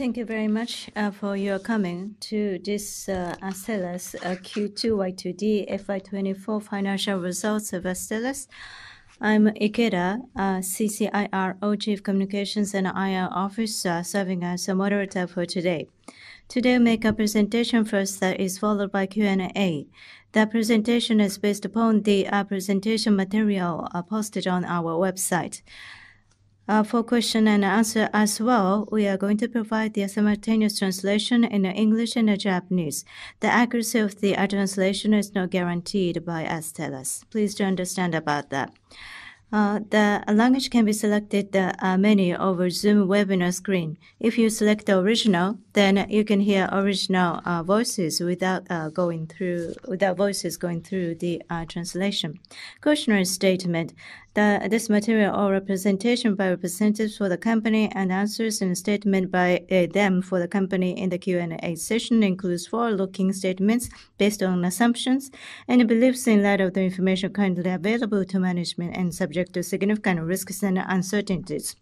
Thank you very much for your coming to this Astellas Q2 FY24 Financial Results. Astellas. I'm Hiromitsu Ikeda, Chief Communications and IR Officer, serving as a moderator for today. Today I make a presentation first that is followed by Q and A. That presentation is based upon the presentation material posted on our website for question and answer. As well, we are going to provide the simultaneous translation in English and Japanese. The accuracy of the translation is not guaranteed by Astellas. Please do understand about that. The language can be selected from the menu over Zoom webinar screen. If you select the original, then you can hear original voices without voices going through the translation. Cautionary Statement: This material or representation by representatives for the company and our answers and statements by them for the company in the Q and A session includes forward-looking statements based on assumptions and beliefs in light of the information currently available to management and subject to significant risks and uncertainties.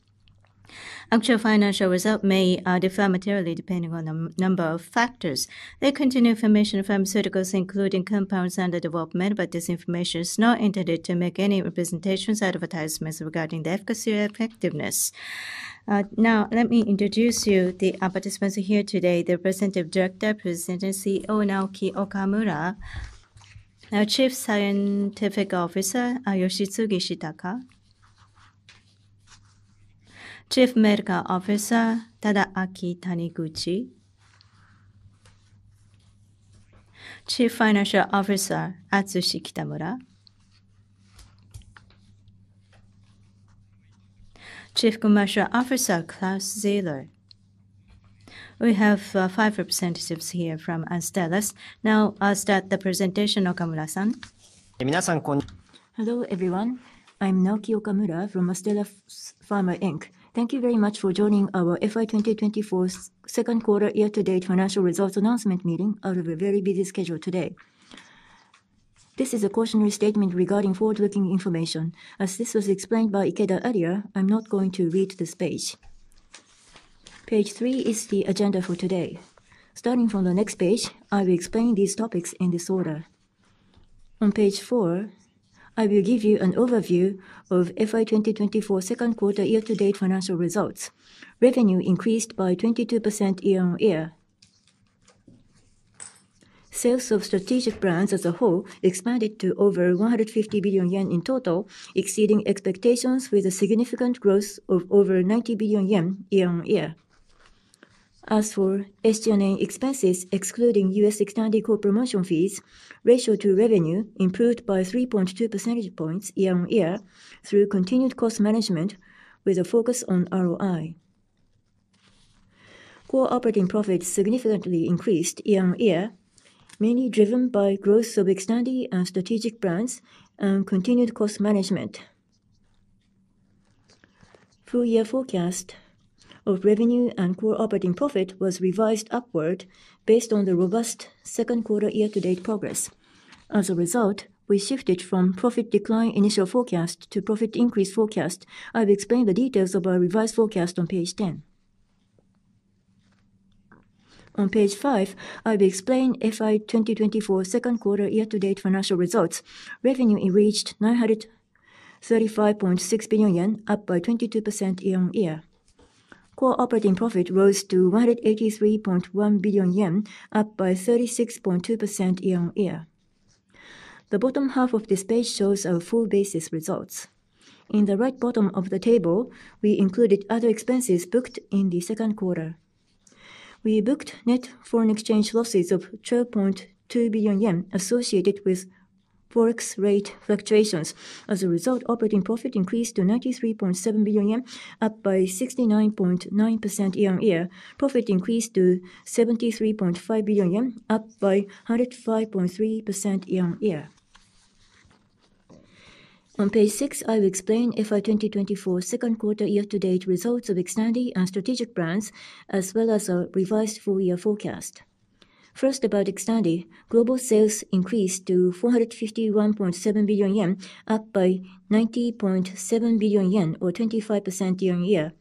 Actual financial results may differ materially depending on a number of factors. They contain information pharmaceuticals including compounds under development, but this information is not intended to make any representations or advertisements regarding the efficacy or effectiveness. Now let me introduce you the participants here today. The Representative Director, President and CEO Naoki Okamura, Chief Scientific Officer Yoshitsugu Shitaka, Chief Medical Officer Tadaaki Taniguchi, Chief Financial Officer Atsushi Kitamura. Chief Commercial Officer Claus Zieler, we have five representatives here from Astellas. Now I'll start the presentation. Okamura-san? Hello everyone. I'm Naoki Okamura from Astellas Pharma Inc. Thank you very much for joining our FY2024 second quarter year to date Financial Results Announcement Meeting out of a very busy schedule today. This is a cautionary statement regarding forward-looking information as this was explained by Ikeda earlier. I'm not going to read this page. Page three is the agenda for today. Starting from the next page, I will explain these topics in this order. On page four I will give you an overview of FY2024 second quarter year to date financial results. Revenue increased by 22% year on year. Sales of strategic brands as a whole expanded to over 150 billion yen in total, exceeding expectations with a significant growth of over 90 billion yen year on year. As for SG&A expenses excluding U.S. co-promotion fees, ratio to revenue improved by 3.2 percentage points year on year through continued cost management with a focus on ROI, core operating profits significantly increased year on year mainly driven by growth of Xtandi and strategic products and continued cost management. Full year forecast of revenue and core operating profit was revised upward based on the robust second quarter year to date progress. As a result, we shifted from profit decline initial forecast to profit increase forecast. I've explained the details of our revised forecast on page 10. On page 5 I will explain FY 2024 second quarter year to date financial results. Revenue reached 935.6 billion yen, up by 22% year on year. Core operating profit rose to 183.1 billion yen, up by 36.2% year on year. The bottom half of this page shows a full basis results. In the right bottom of the table, we included other expenses booked in the second quarter. We booked net foreign exchange losses of 12.2 billion yen associated with forex rate fluctuations. As a result, operating profit increased to 93.7 billion yen, up by 69.9% year on year. Profit increased to 73.5 billion yen, up by 105.3% year on year. On page 6, I will explain FY 2024 second quarter year to date results of Xtandi and strategic brands as well as a revised full year forecast. First, about Xtandi, global sales increased to 451.7 billion yen, up by 90.7 billion yen or 25% year on year.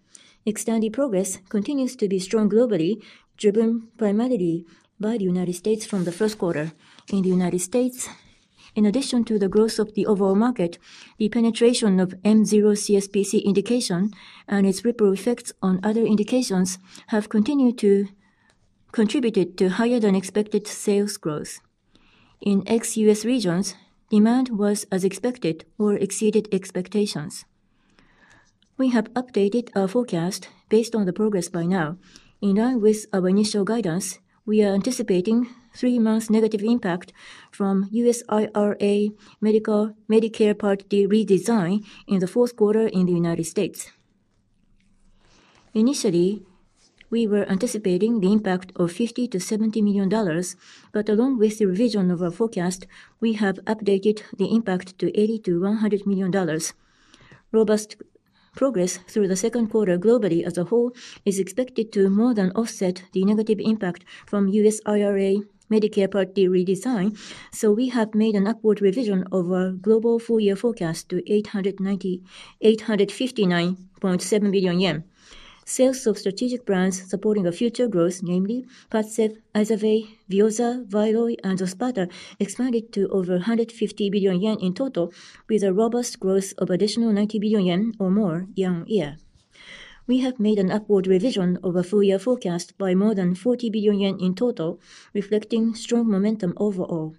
Xtandi progress continues to be strong globally, driven primarily by the United States from the first quarter. In the United States, in addition to the growth of the overall market, the penetration of M0CSPC indication and its ripple effects on other indications have continued to contribute to higher than expected sales growth in ex-U.S. regions. Demand was as expected or exceeded expectations. We have updated our forecast based on the progress by now. In line with our initial guidance, we are anticipating three months negative impact from U.S. IRA Medicare Part D redesign in the fourth quarter. In the United States. Initially we were anticipating the impact of $50-$70 million, but along with the revision of our forecast, we have updated the impact to $80-$100 million. Robust progress through the second quarter globally as a whole is expected to more than offset the negative impact from U.S. IRA Medicare Part D redesign. So we have made an upward revision of our global full year forecast to 859.7 billion yen. Sales of strategic brands supporting a future growth namely PADCEV, IZERVAY, VEOZAH, VYLOY and XOSPATA expanded to over 150 billion yen in total with a robust growth of additional 90 billion yen or more year on year. We have made an upward revision of a full year forecast by more than 40 billion yen in total, reflecting strong momentum overall.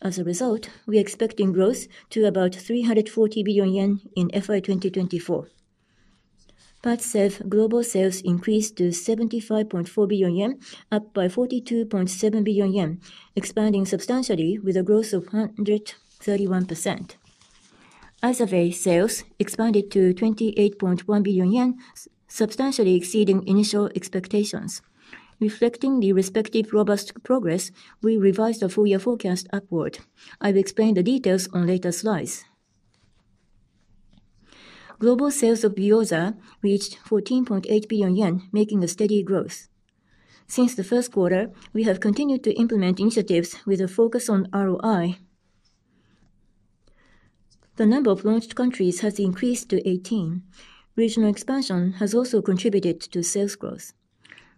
As a result, we are expecting growth to about 340 billion yen in FY 2024. PADCEV global sales increased to 75.4 billion yen, up by 42.7 billion yen, expanding substantially with a growth of 131%. IZERVAY sales expanded to 28.1 billion yen, substantially exceeding initial expectations. Reflecting the respective robust progress, we revised the full year forecast upward. I've explained the details later. Slides. Global sales of VEOZAH reached 14.8 billion yen, making a steady growth since the first quarter. We have continued to implement initiatives with a focus on ROI. The number of launched countries has increased to 18. Regional expansion has also contributed to sales growth,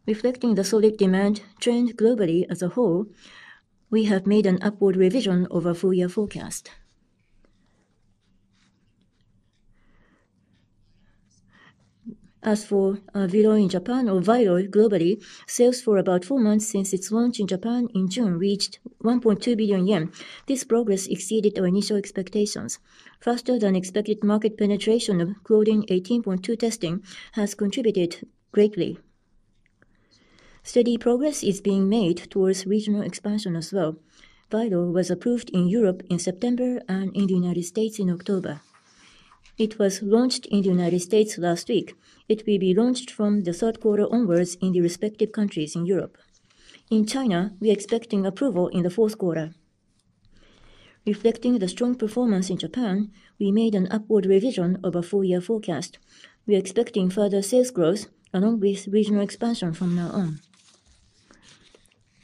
reflecting the solid demand trend globally as a whole. We have made an upward revision of our full-year forecast. As for VEOZAH in Japan or VEOZAH globally, sales for about four months since its launch in Japan in June reached 1.2 billion yen. This progress exceeded our initial expectations faster than expected. Market penetration of clinician education has contributed greatly. Steady progress is being made towards regional expansion as well. VYLOY was approved in Europe in September and in the United States in October. It was launched in the United States last week. It will be launched from the third quarter onwards in the respective countries in Europe. In China, we are expecting approval in the fourth quarter. Reflecting the strong performance in Japan, we made an upward revision of a full year forecast. We are expecting further sales growth along with regional expansion from now on.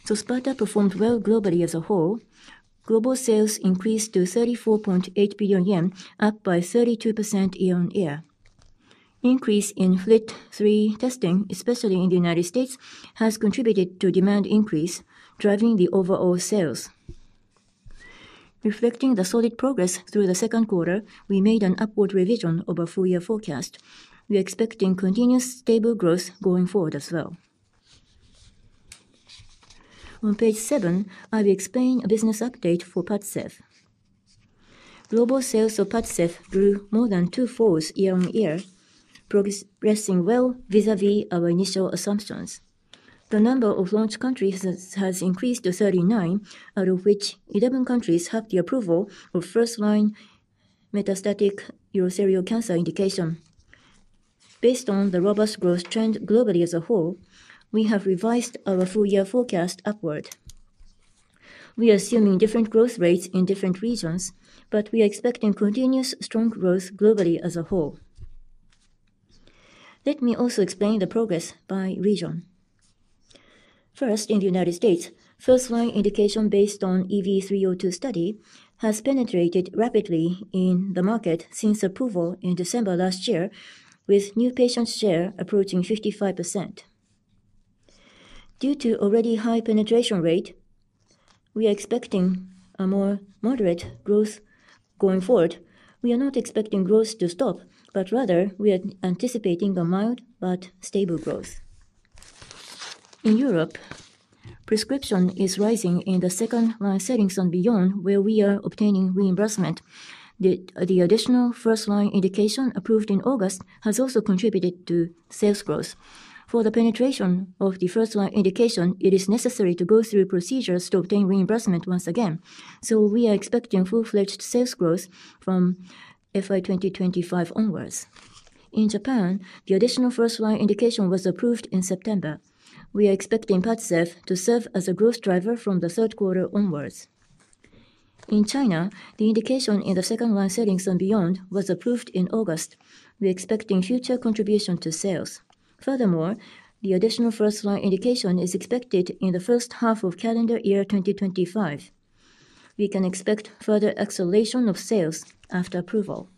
So XOSPATA performed well globally as a whole. Global sales increased to 34.8 billion yen, up by 32% year on year. Increase in FLT3 testing, especially in the United States, has contributed to demand increase, driving the overall sales. Reflecting the solid progress through the second quarter, we made an upward revision of our full year forecast. We are expecting continuous stable growth going forward as well. On page seven I will explain a business update for PADCEV. Global sales of PADCEV grew more than twofold year on year, progressing well vis-à-vis our initial assumptions. The number of launch countries has increased to 39, out of which 11 countries have the approval of first line metastatic urothelial cancer indication. Based on the robust growth trend globally as a whole, we have revised our full year forecast upward. We are assuming different growth rates in different regions, but we are expecting continuous strong growth globally as a whole. Let me also explain the progress by region. First in the United States, first line indication based on EV-302 study has penetrated rapidly in the market since approval in December last year, with new patients share approaching 55%. Due to already high penetration rate, we are expecting a more moderate growth going forward. We are not expecting growth to stop but rather we are anticipating the mild but stable growth in Europe. Prescription is rising in the second line settings and beyond where we are obtaining reimbursement. The additional first line indication approved in August has also contributed to sales growth. For the penetration of the first line indication it is necessary to go through procedures to obtain reimbursement once again, so we are expecting full-fledged sales growth from FY 2025 onwards. In Japan the additional first line indication was approved in September. We are expecting PADCEV to serve as a growth driver from the third quarter onwards. In China the indication in the second line setting and beyond was approved in August. We are expecting future contribution to sales. Furthermore, the additional first line indication is expected in the first half of calendar year 2025. We can expect further acceleration of sales after approval.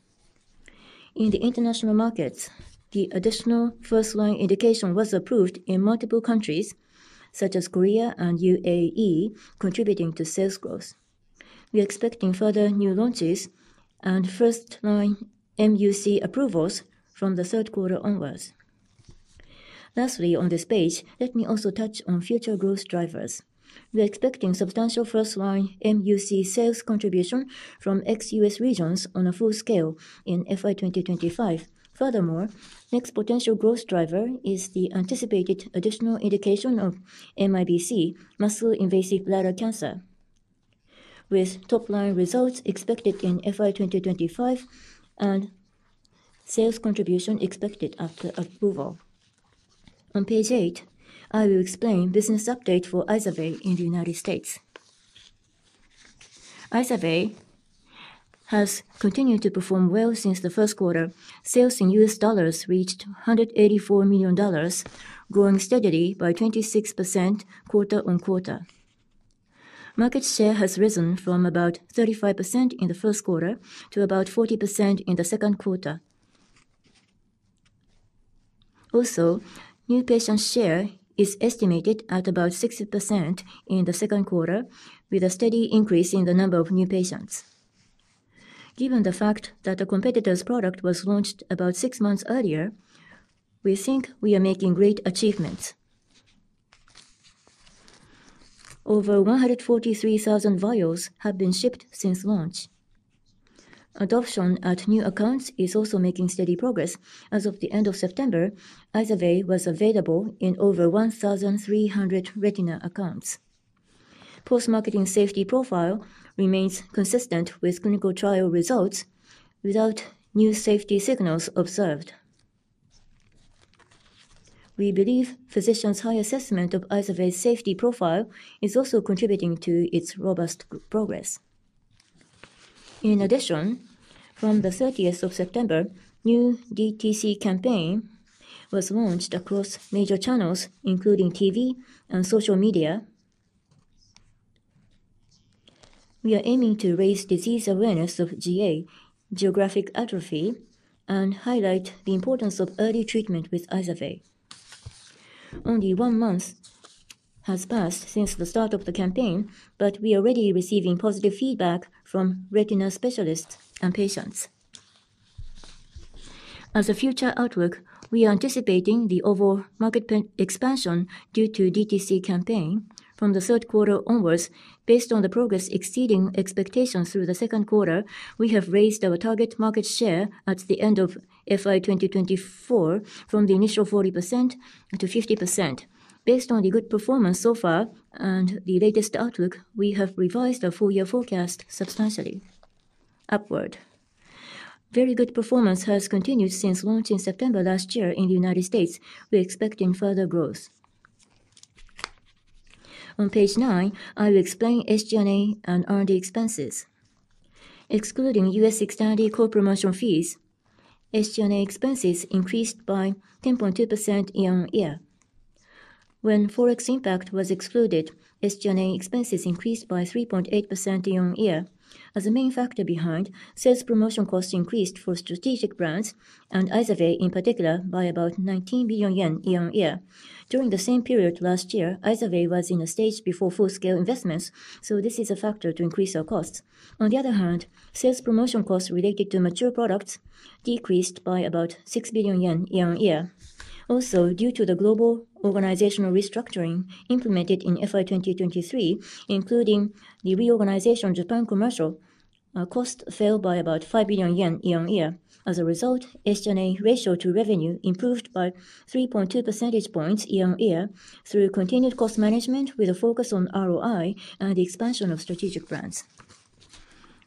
In the international markets. The additional first line indication was approved in multiple countries such as Korea and UAE contributing to sales growth. We are expecting further new launches and first line approvals from the third quarter onwards. Lastly on this page let me also touch on future growth drivers. We are expecting substantial first line mUC sales contribution from ex U.S. regions on a full scale in FY2025. Furthermore, next potential growth driver is the anticipated additional indication of MIBC muscle invasive bladder cancer with top line results expected in FY 2025 and sales contribution expected after approval. On page 8 I will explain business update for IZERVAY in the United States. IZERVAY has continued to perform well since the first quarter. Sales in U.S. dollars reached $184 million growing steadily by 26% quarter on quarter. Market share has risen from about 35% in the first quarter to about 40% in the second quarter. Also new patient share is estimated at about 60% in the second quarter with a steady increase in the number of new patients. Given the fact that the competitor's product was launched about six months earlier, we think we are making great achievements. Over 143,000 vials have been shipped since launch. Adoption at new accounts is also making steady progress. As of the end of September IZERVAY was available in over 1,300 retina accounts. Post-marketing safety profile remains consistent with clinical trial results without new safety signals observed. We believe physicians' high assessment of IZERVAY's safety profile is also contributing to its robust progress. In addition, from 30th September new DTC campaign was launched across major channels including TV and social media. We are aiming to raise disease awareness of GA geographic atrophy and highlight the importance of early treatment with IZERVAY. Only one month has passed since the start of the campaign, but we are already receiving positive feedback from retina specialists and patients. As a future outlook, we are anticipating the overall market expansion due to DTC campaign from the third quarter onwards. Based on the progress exceeding expectations through the second quarter, we have raised our target market share at the end of FY 2024 from the initial 40% to 50%. Based on the good performance so far and the latest outlook, we have revised our full year forecast substantially upward. Very good performance has continued since launching September last year in the United States. We're expecting further growth. On page nine, I will explain SG&A and R&D expenses excluding US Xtandi core promotional fees. SG&A expenses increased by 10.2% year on year when forex impact was excluded. SG&A expenses increased by 3.8% year on year as a main factor behind sales promotion costs increased for strategic brands and IZERVAY in particular by about 19 billion yen year on year during the same period last year. IZERVAY was in a stage before full-scale investments, so this is a factor to increase our costs. On the other hand, sales promotion costs related to mature products decreased by about 6 billion yen year on year. Also, due to the global organizational restructuring implemented in FY2023 including the reorganization of Japan, commercial cost fell by about 5 billion yen year on year. As a result, SG&A ratio to revenue improved by 3.2 percentage points year on year through continued cost management with a focus on ROI and the expansion of strategic brands.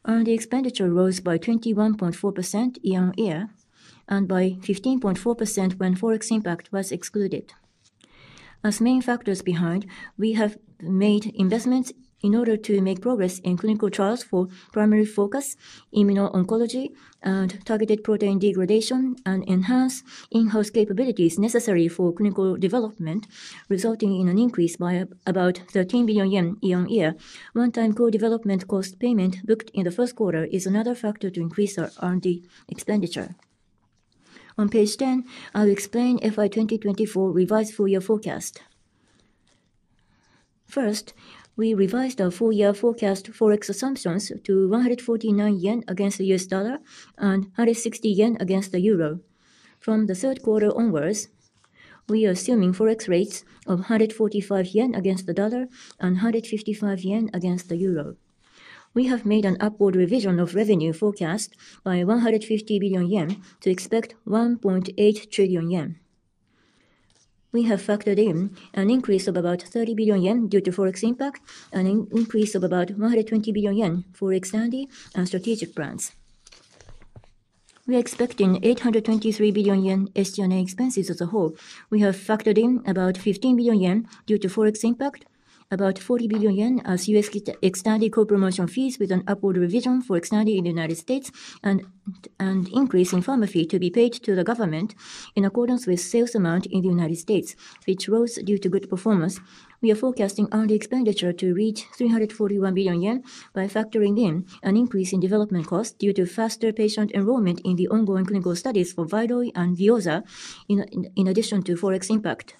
The expenditure rose by 21.4% year on year and by 15.4% when forex impact was excluded. As main factors behind, we have made investments in order to make progress in clinical trials for primary focus, immuno-oncology and targeted protein degradation and enhance in-house capabilities necessary for clinical development resulting in an increase by about 13 billion yen year on year. One-time co-development cost payment booked in the first quarter is another factor to increase our R&D expenditure. On page 10, I'll explain FY 2024 revised full-year forecast. First, we revised our full-year forecast forex assumptions to 149 yen against the U.S. dollar and 160 yen against the euro. From the third quarter onwards, we are assuming forex rates of 145 yen against the dollar and 155 yen against the euro. We have made an upward revision of revenue forecast by 150 billion yen to expect 1.8 trillion yen. We have factored in an increase of about 30 billion yen due to forex impact and an increase of about 120 billion yen. For XTANDI and strategic brands, we are expecting 823 billion yen SG&A expenses. As a whole, we have factored in about 15 billion yen due to forex impact, about 40 billion yen as US Xtandi core promotion fees with an upward revision for Xtandi in the United States and an increase in pharma fee to be paid to the government in accordance with sales amount in the United States which rose due to good performance. We are forecasting total expenditure to reach 341 billion yen by factoring in an increase in development costs due to faster patient enrollment in the ongoing clinical studies for VYLOY and VEOZAH. In addition to forex impact.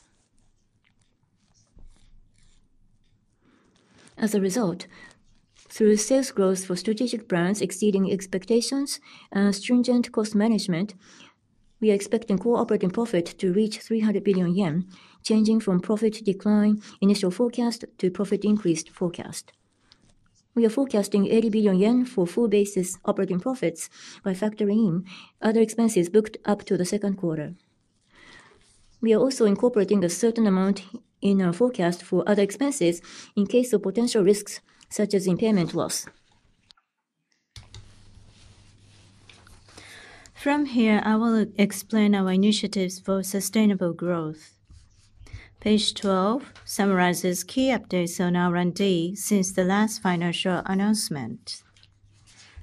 As a result, through sales growth for strategic brands exceeding expectations and stringent cost management, we are expecting core operating profit to reach 300 billion yen changing from profit decline initial forecast to profit increased forecast. We are forecasting 80 billion yen for full basis operating profits by factoring in other expenses booked up to the second quarter. We are also incorporating a certain amount in our forecast for other expenses in case of potential risks such as impairment loss. From here I will explain our initiatives for sustainable growth. Page 12 summarizes key updates on R and D since the last financial announcement.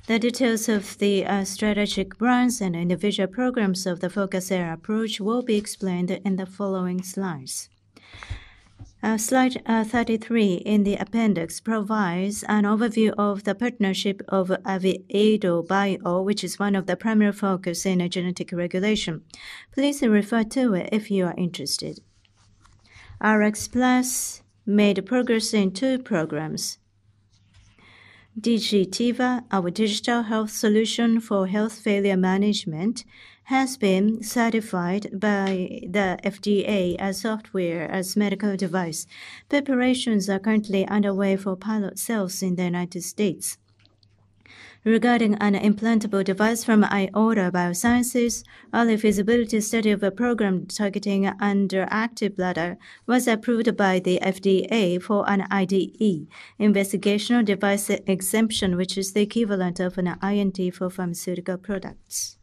The details of the strategic brands and individual programs of the focus area approach will be explained in the following slides. Slide 33 in the Appendix provides an overview of the partnership of AviadoBio, which is one of the primary focus in genetic regulation. Please refer to it if you are interested. We made progress in DigiTiva, our digital health solution for heart failure management, has been certified by the FDA as software as a medical device. Preparations are currently underway for pilot sales in the United States. Regarding an implantable device from IOTA Biosciences, early feasibility study of a program targeting underactive bladder was approved by the FDA for an IDE investigational device exemption, which is the equivalent of an IND for pharmaceutical products.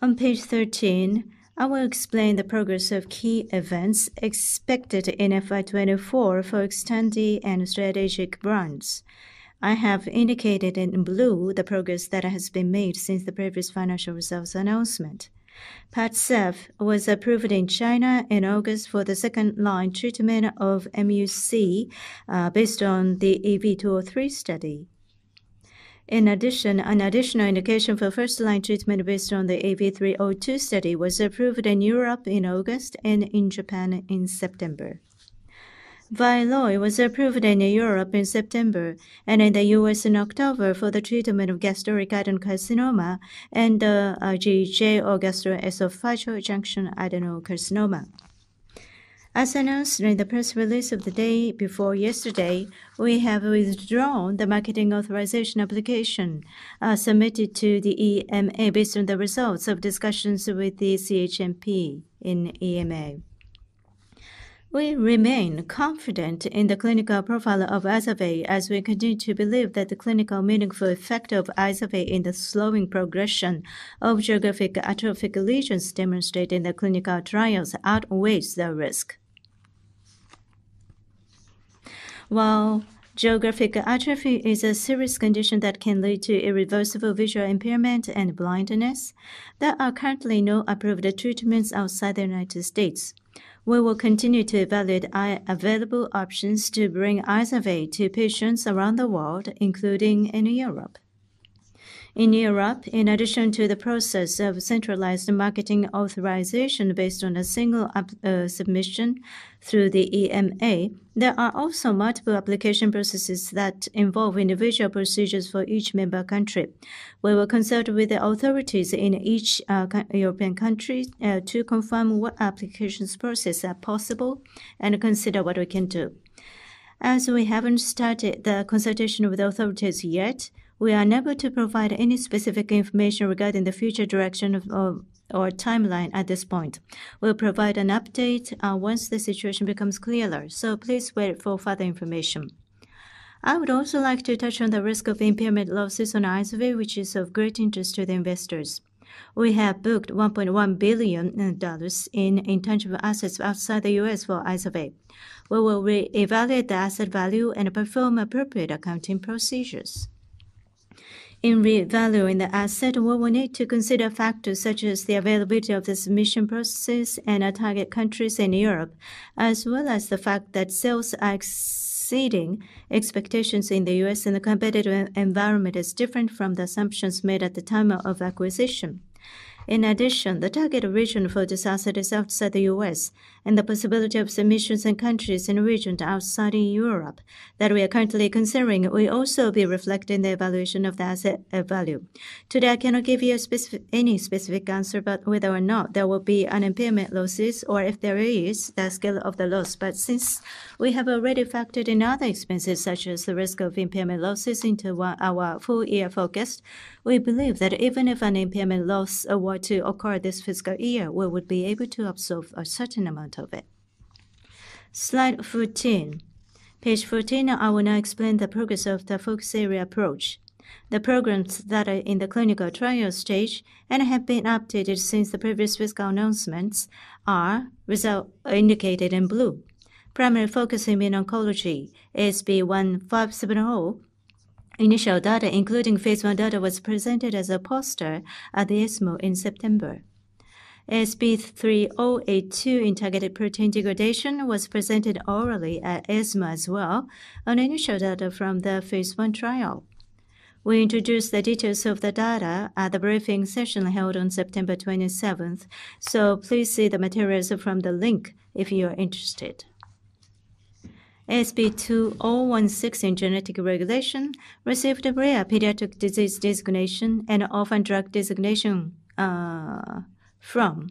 On page 13 I will explain the progress of key events expected in FY24 for XTANDI and Strategic brands. I have indicated in blue the progress that has been made since the previous financial results announcement. PADCEV was approved in China in August for the second line treatment of MUC based on the EV-203 study. In addition, an additional indication for first line treatment based on the EV-302 study was approved in Europe in August and in Japan in September. VYLOY was approved in Europe in September and in the U.S. in October for the treatment of gastric adenocarcinoma and GJ or gastroesophageal junction adenocarcinoma. As announced in the press release of the day before yesterday, we have withdrawn the marketing authorization application submitted to the EMA. Based on the results of discussions with the CHMP in EMA, we remain confident in the clinical profile of IZERVAY as we continue to believe that the clinically meaningful effect of IZERVAY in the slowing progression of geographic atrophic lesions demonstrated in the clinical trials outweighs the risk. While geographic atrophy is a serious condition that can lead to irreversible visual impairment and blindness, there are currently no approved treatments outside the United States. We will continue to evaluate available options to bring IZERVAY to patients around the world, including in Europe. In Europe, in addition to the process of centralized marketing authorization based on a single submission through the EMA, there are also multiple application processes that involve individual procedures for each member country. We will consult with the authorities in each European country to confirm what application processes are possible and consider what we can do. As we haven't started the consultation with authorities yet, we are unable to provide any specific information regarding the future direction or timeline at this point. We'll provide an update once the situation becomes clearer, so please wait for further information. I would also like to touch on the risk of impairment losses on ISV, which is of great interest to the investors. We have booked $1.1 billion in intangible assets outside the U.S. for IZERVAY. We will re-evaluate the asset value and perform appropriate accounting procedures. In revaluing the asset, we will need to consider factors such as the availability of the submission processes and our target countries in Europe, as well as the fact that sales are exceeding expectations in the U.S. The competitive environment is different from the assumptions made at the time of acquisition. In addition, the target region for this asset is outside the U.S. and the possibility of submissions in countries in regions outside in Europe that we are currently considering will also be reflecting the evaluation of the asset value today. I cannot give you any specific answer about whether or not there will be impairment losses or if there is the scale of the loss. But since we have already factored in other expenses such as the risk of impairment losses into our full year focus, we believe that even if an impairment loss were to occur this fiscal year, we would be able to absorb a certain amount of it. Slide 14, page 14. I will now explain the progress of the focus area approach. The programs that are in the clinical trial stage and have been updated since the previous fiscal announcements are results indicated in blue. Primary focus in immuno is ASP1570. Initial data including phase 1 data was presented as a poster at the ESMO in September. ASP3082 integrated protein degradation was presented orally at ESMO as well on initial data from the phase 1 trial. We introduced the details of the data at the briefing session held on September 27, so please see the materials from the link if you are interested. ASP2016 in genetic regulation received rare pediatric disease designation and orphan drug designation from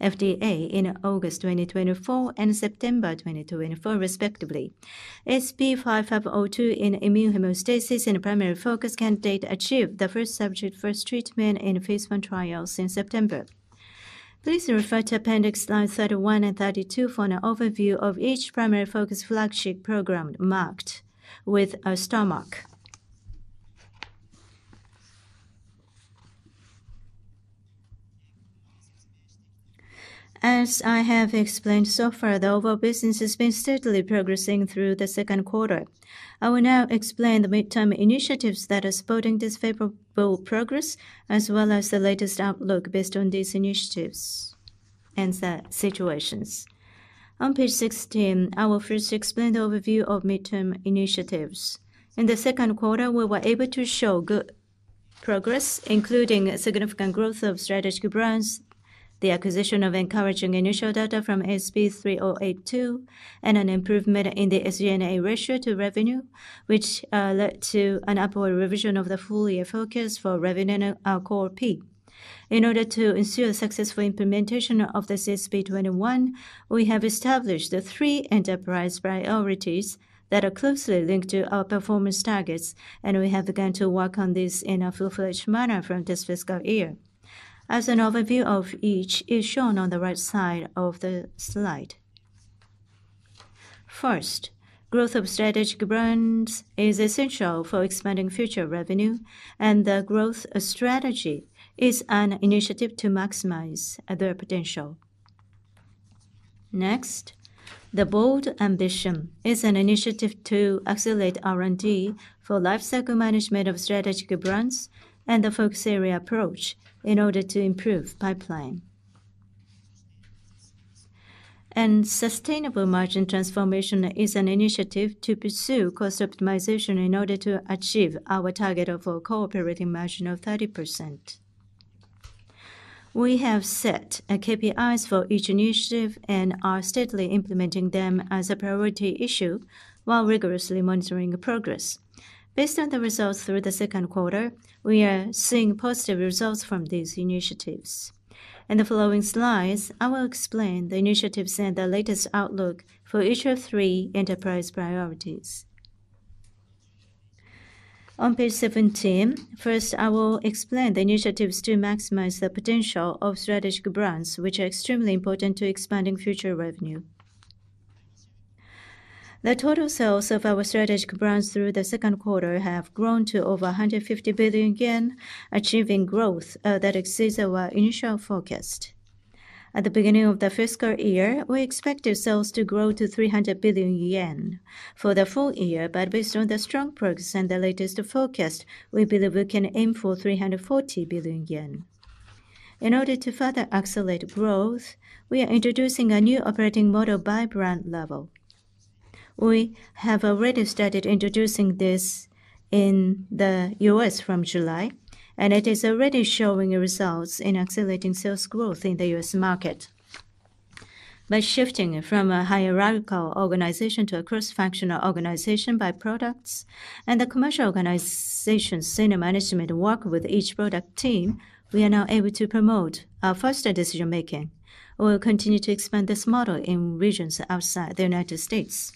FDA in August 2024 and September 2024 respectively. ASP5502 in immunohemostasis and primary focus candidate achieved the first subject, first treatment and phase 1 trial since September. Please refer to Appendix lines 31 and 32 for an overview of each primary focus flagship program marked with an asterisk. As I have explained so far, the overall business has been steadily progressing through the second quarter. I will now explain the mid-term initiatives that are supporting this favorable progress as well as the latest outlook based on these initiatives and situations. On page 16, I will first explain the overview of mid-term initiatives. In the second quarter, we were able to show good progress including significant growth of strategic brands, the acquisition of encouraging initial data from ASP3082, and an improvement in the SG&A ratio to revenue, which led to an upward revision of the full-year forecast for revenue growth prospects. In order to ensure successful implementation of the CSP21, we have established three enterprise priorities that are closely linked to our performance targets, and we have begun to work on these in a full-fledged manner from this fiscal year as an overview of each is shown on the right side of the slide. First, growth of strategic brands is essential for expanding future revenue and the growth strategy is an initiative to maximize their potential. Next, the bold ambition is an initiative to accelerate R and D for lifecycle management of strategic brands and the focus area approach in order to improve pipeline and sustainable margin transformation is an initiative to pursue cost optimization in order to achieve our target of an operating margin of 30%. We have set KPIs for each initiative and are steadily implementing them as a priority issue while rigorously monitoring progress based on the results. Through the second quarter, we are seeing positive results from these initiatives. In the following slides I will explain the initiatives and the latest outlook for each of three enterprise priorities on page 17. First, I will explain the initiatives to maximize the potential of strategic brands which are extremely important to expanding future revenue. The total sales of our strategic brands through the second quarter have grown to over 150 billion yen, achieving growth that exceeds our initial forecast at the beginning of the fiscal year. We expected sales to grow to 300 billion yen for the full year, but based on the strong progress and the latest forecast, we believe we can aim for 340 billion yen. In order to further accelerate growth, we are introducing a new operating model by brand level. We have already started introducing this in the U.S. from July and it is already showing results in accelerating sales growth in the U.S. market. By shifting from a hierarchical organization to a cross functional organization by products and the commercial organization senior management work with each product team, we are now able to promote our faster decision making. We will continue to expand this model in regions outside the United States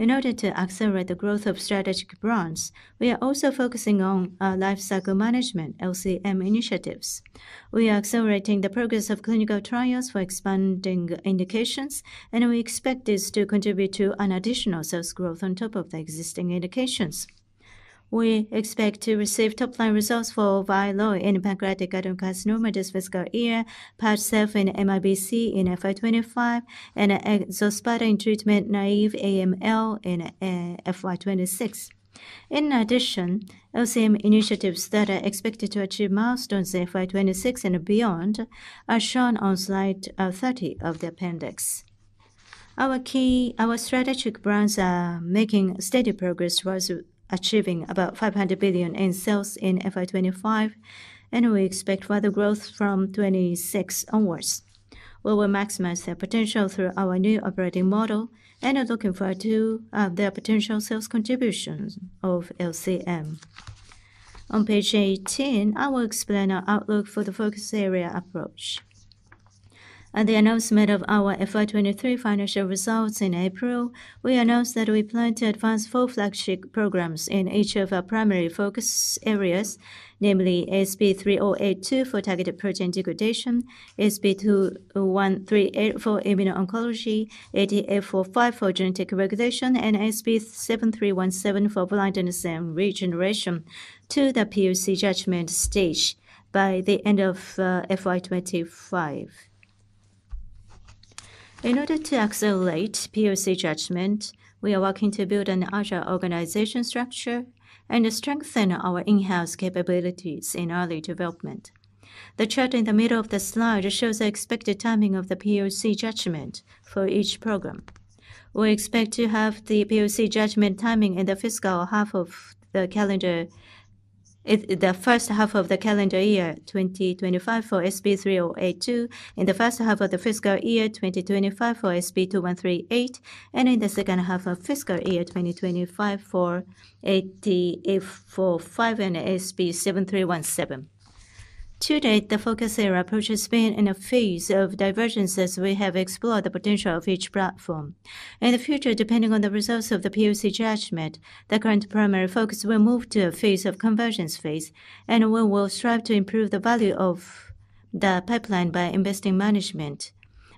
in order to accelerate the growth of strategic brands. We are also focusing on life cycle management initiatives. We are accelerating the progress of clinical trials for expanding indications and we expect this to contribute to an additional sales growth on top of the existing indications. We expect to receive top line results for VYLOY in pancreatic adenocarcinoma this fiscal year, PADCEV MRBC in FY25 and XOSPATA treatment naive AML in FY26. In addition, LCM initiatives that are expected to achieve milestones in FY26 and beyond are shown on slide 30 of the appendix. Our key strategic brands are making steady progress in achieving about 500 billion in sales in FY25 and we expect further growth from 26 onwards. We will maximize their potential through our new operating model and are looking forward to their potential sales contributions of LCM. On page 18 I will explain our outlook for the focus area approach at the announcement of our FY23 financial results. In April, we announced that we plan to advance four flagship programs in each of our primary focus areas, namely ASP3082 for targeted protein degradation, ASP2138 for immuno oncology, AT845 for genetic regulation and ASP7317 for blindness and regeneration to the POC judgment stage by the end of FY25. In order to accelerate POC judgment, we are working to build an agile organization structure and strengthen our in-house capabilities in early development. The chart in the middle of the slide shows the expected timing of the POC judgment for each program. We expect to have the POC judgment timing in the first half of the calendar year 2025 for SB382, in the first half of the fiscal year 2025 for ASP2138, and in the second half of fiscal year 2025 for AT845 and SB7317. To date, the focus area approach has been in a phase of divergence as we have explored the potential of each platform in the future. Depending on the results of the POC judgment, the current primary focus will move to a phase of convergence, and we will strive to improve the value of the pipeline by investing management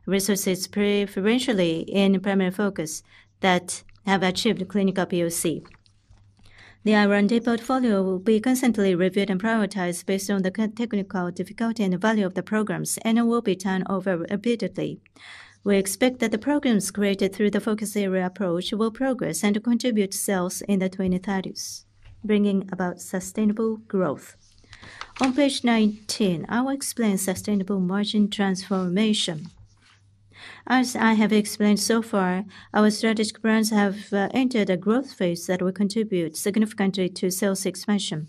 resources preferentially in primary focus that have achieved clinical POC. The R&D portfolio will be constantly reviewed and prioritized based on the technical difficulty and value of the programs and will be turned over repeatedly. We expect that the programs created through the focus area approach will progress and contribute sales in the 2030s bringing about sustainable growth. On page 19, I will explain sustainable margin transformation. As I have explained so far, our strategic brands have entered a growth phase that will contribute significantly to sales expansion.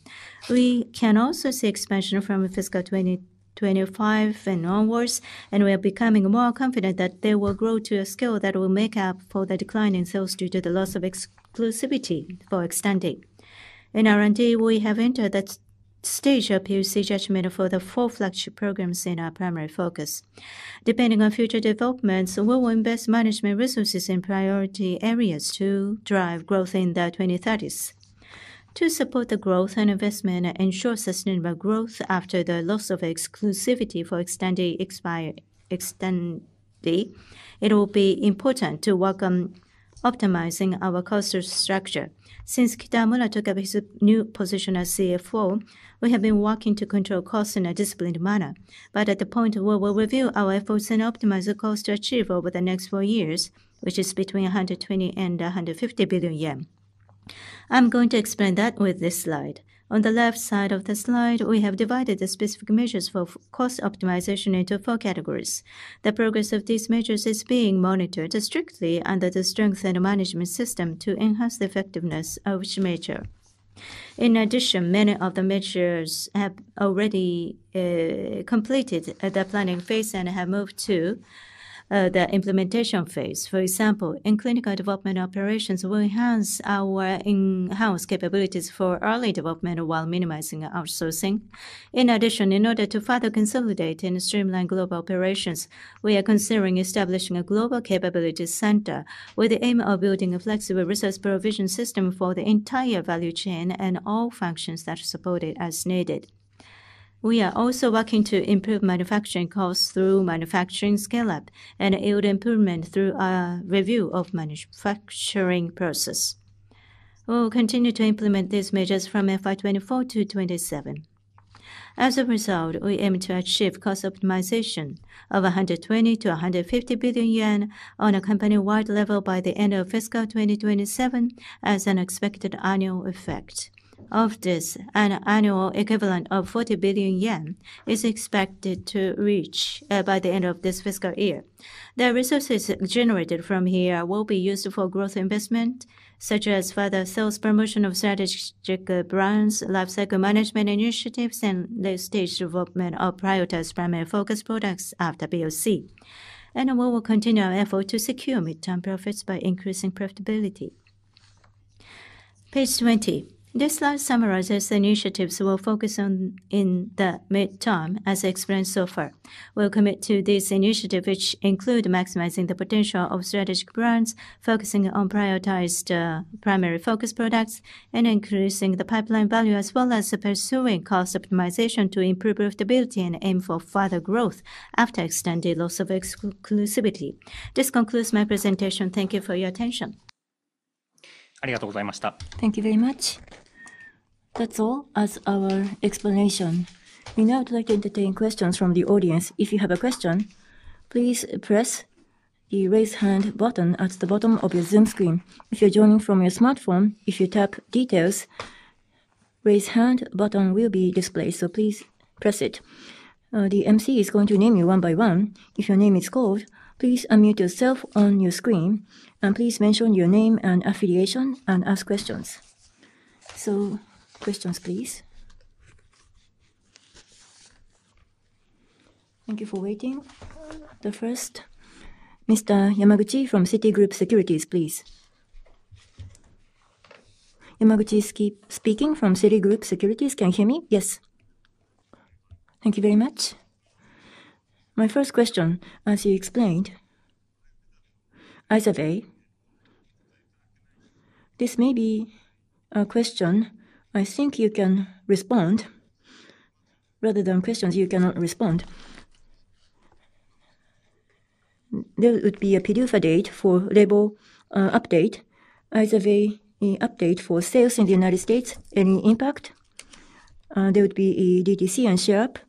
We can also see expansion from fiscal 2025 and onwards and we are becoming more confident that they will grow to a scale that will make up for the decline in sales due to the loss of exclusivity for Xtandi and R&D. We have entered that stage of POC judgment for the four flagship programs in our primary focus. Depending on future developments, we will invest management resources in priority areas to drive growth in the 2020s and 30s to support the growth and investment and ensure sustainable growth. After the loss of exclusivity for XTANDI, it will be important to work on optimizing our cost structure. Since Kitamura took up his new position as CFO, we have been working to control costs in a disciplined manner, but at this point we will review our efforts and optimize the goals to achieve over the next four years, which is between 120 billion and 150 billion yen. I am going to explain that with this slide on the left side of the slide, we have divided the specific measures for cost optimization into four categories. The progress of these measures is being monitored strictly under the steering and management system to enhance the effectiveness of each measure. In addition, many of the measures have already completed the planning phase and have moved to the implementation phase. For example, in clinical development operations will enhance our in-house capabilities for early development while minimizing outsourcing. In addition, in order to further consolidate and streamline global operations, we are considering establishing a Global Capability Center with the aim of building a flexible resource provision system for the entire value chain and all functions that support it as needed. We are also working to improve manufacturing costs through manufacturing scale-up and yield improvement through our review of manufacturing process. We will continue to implement these measures from FY24 to FY27. As a result, we aim to achieve cost optimization of JPY 120 billion-JPY 150 billion on a company-wide level by the end of fiscal 2027. As an expected annual effect of this, an annual equivalent of 40 billion yen is expected to reach by the end of this fiscal year. The resources generated from here will be used for growth investment such as further sales, promotion of strategic brands, lifecycle management initiatives and late stage development of prioritized primary focus products after POC, and we will continue our effort to secure mid term profits by increasing profitability. Page 20. This slide summarizes the initiatives we'll focus on in the midterm as explained so far. We'll commit to these initiatives which include maximizing the potential of strategic brands, focusing on prioritized primary focus products and increasing the pipeline value, as well as pursuing cost optimization to improve profitability and aim for further growth after extended loss of exclusivity. This concludes my presentation. Thank you for your attention. Thank you very much. That's all. As our explanation, we now would like to entertain questions from the audience. If you have a question, please press the Raise hand button at the bottom of your Zoom screen. If you're joining from your smartphone. If you tap details, raise hand button will be displayed, so please press it. The MC is going to name you one by one. If your name is called, please unmute yourself on your screen and please mention your name and affiliation and ask questions. So questions please. Thank you for waiting. The first Mr. Yamaguchi from Citigroup Securities please. Yamaguchi speaking from Citigroup Securities. Can you hear me? Yes. Thank you very much. My first question as you explained, isfa. This may be a question I think you can respond rather than questions you cannot respond. There would be a PDUFA date for label update is a Vyloy update for sales in the United States. Any impact? There would be EDDC and syrup.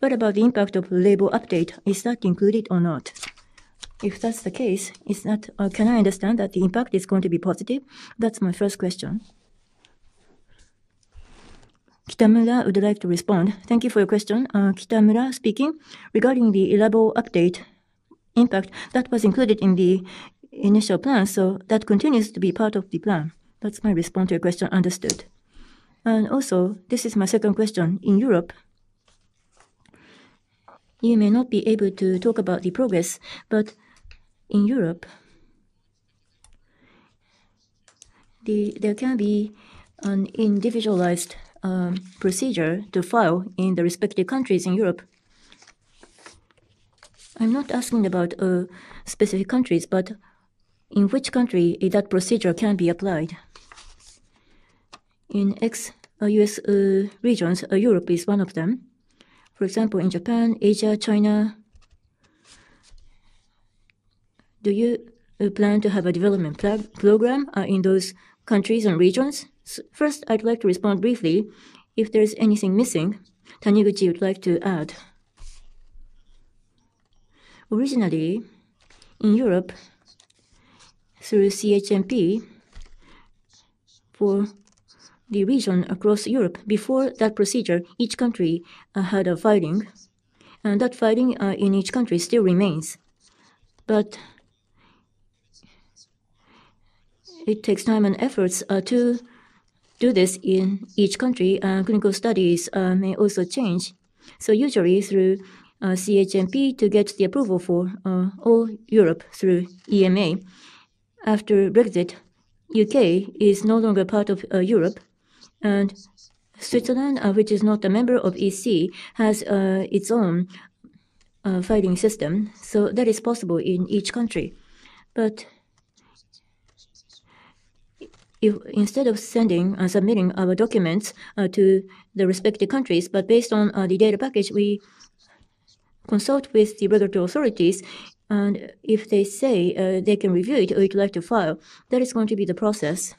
What about the impact of label update? Is that included or not? If that's the case, can I understand that the impact is going to be positive? That's my first question. Stamila would like to respond. Thank you for your question. Kitamura speaking regarding the label update impact that was included in the initial plan. So that continues to be part of the plan. That's my response to a question, understood, and also this is my second question. In Europe you may not be able to talk about the progress, but in Europe there can be an individualized procedure to file in the respective countries. In Europe. I'm not asking about specific countries, but in which country that procedure can be applied in ex US regions, Europe is one of them. For example, in Japan, Asia, China. Do you plan to have a development program in those countries and regions? First, I'd like to respond briefly if there's anything missing. Taniguchi would like to add. Originally in Europe through CHMP for the region across Europe. Before that procedure, each country had a filing and that filing in each country still remains, but it takes time and efforts to do this in each country. Clinical studies may also change, so usually through CHMP to get the approval for all Europe through EMA. After Brexit, U.K. is no longer part of Europe and Switzerland, which is not a member of EC, has its own filing system, so that is possible in each country. But instead of sending and submitting our documents to the respective countries, but based on the data package, we consult with the regulatory authorities and if they say they can review it or you'd like to file, that is going to be the process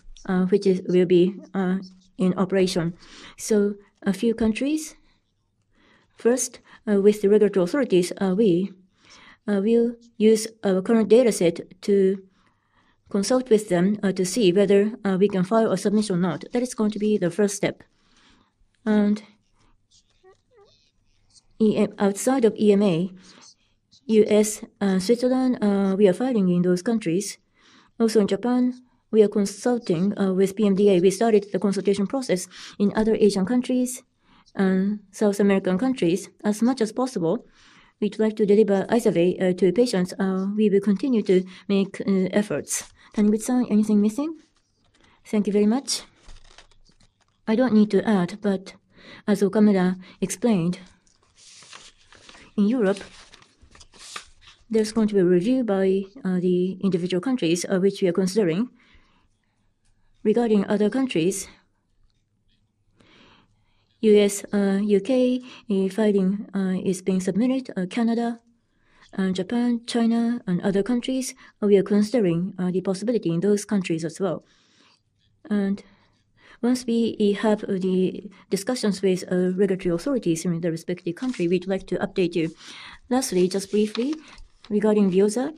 which will be in operation. So a few countries first with the regulatory authorities. We will use our current data set to consult with them to see whether we can file a submission or not. That is going to be the first step. And. Outside of EMA, U.S., Switzerland, we are filing in those countries. Also in Japan we are consulting with PMDA. We started the consultation process in other Asian countries and South American countries. As much as possible, we'd like to deliver IZERVAY to patients. We will continue to make efforts and with anything missing. Thank you very much. I don't need to add, but as Kitamura explained, in Europe there's going to be a review by the individual countries which we are considering. Regarding other countries, U.S. U.K. filing is being submitted. Canada, Japan, China and other countries. We are considering the possibility in those countries as well, and once we have the discussions with regulatory authorities in their respective country, we'd like to update you. Lastly, just briefly regarding VEOZAH,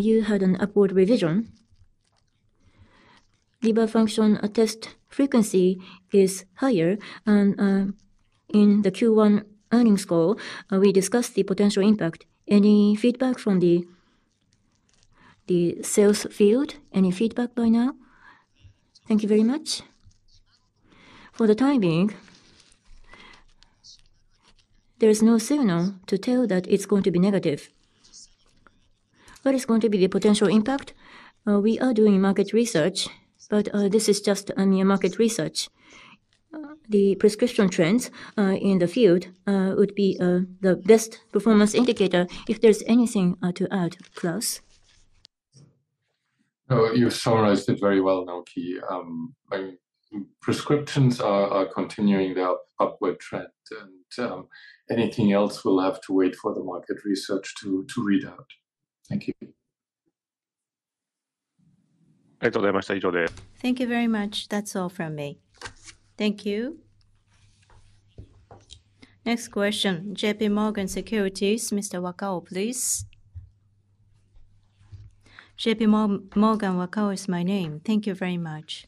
you had an upward revision. The function test frequency is higher and in the Q1 earnings call we discussed the potential impact. Any feedback from the sales field? Any feedback by now? Thank you very much. For the time being there is no signal to tell that it's going to be negative. What is going to be the potential impact? We are doing market research, but this is just mere market research. The prescription trends in the field would be the best performance indicator if there's anything to add. Claus. You summarized it very well. Naoki prescriptions are continuing their upward trend and anything else will have to wait for the market research to read out. Thank you. Thank you very much. That's all from me. Thank you. Next question. J.P. Morgan Securities. Mr. Wakao, please. J.P. Morgan. Wakao is my name. Thank you very much.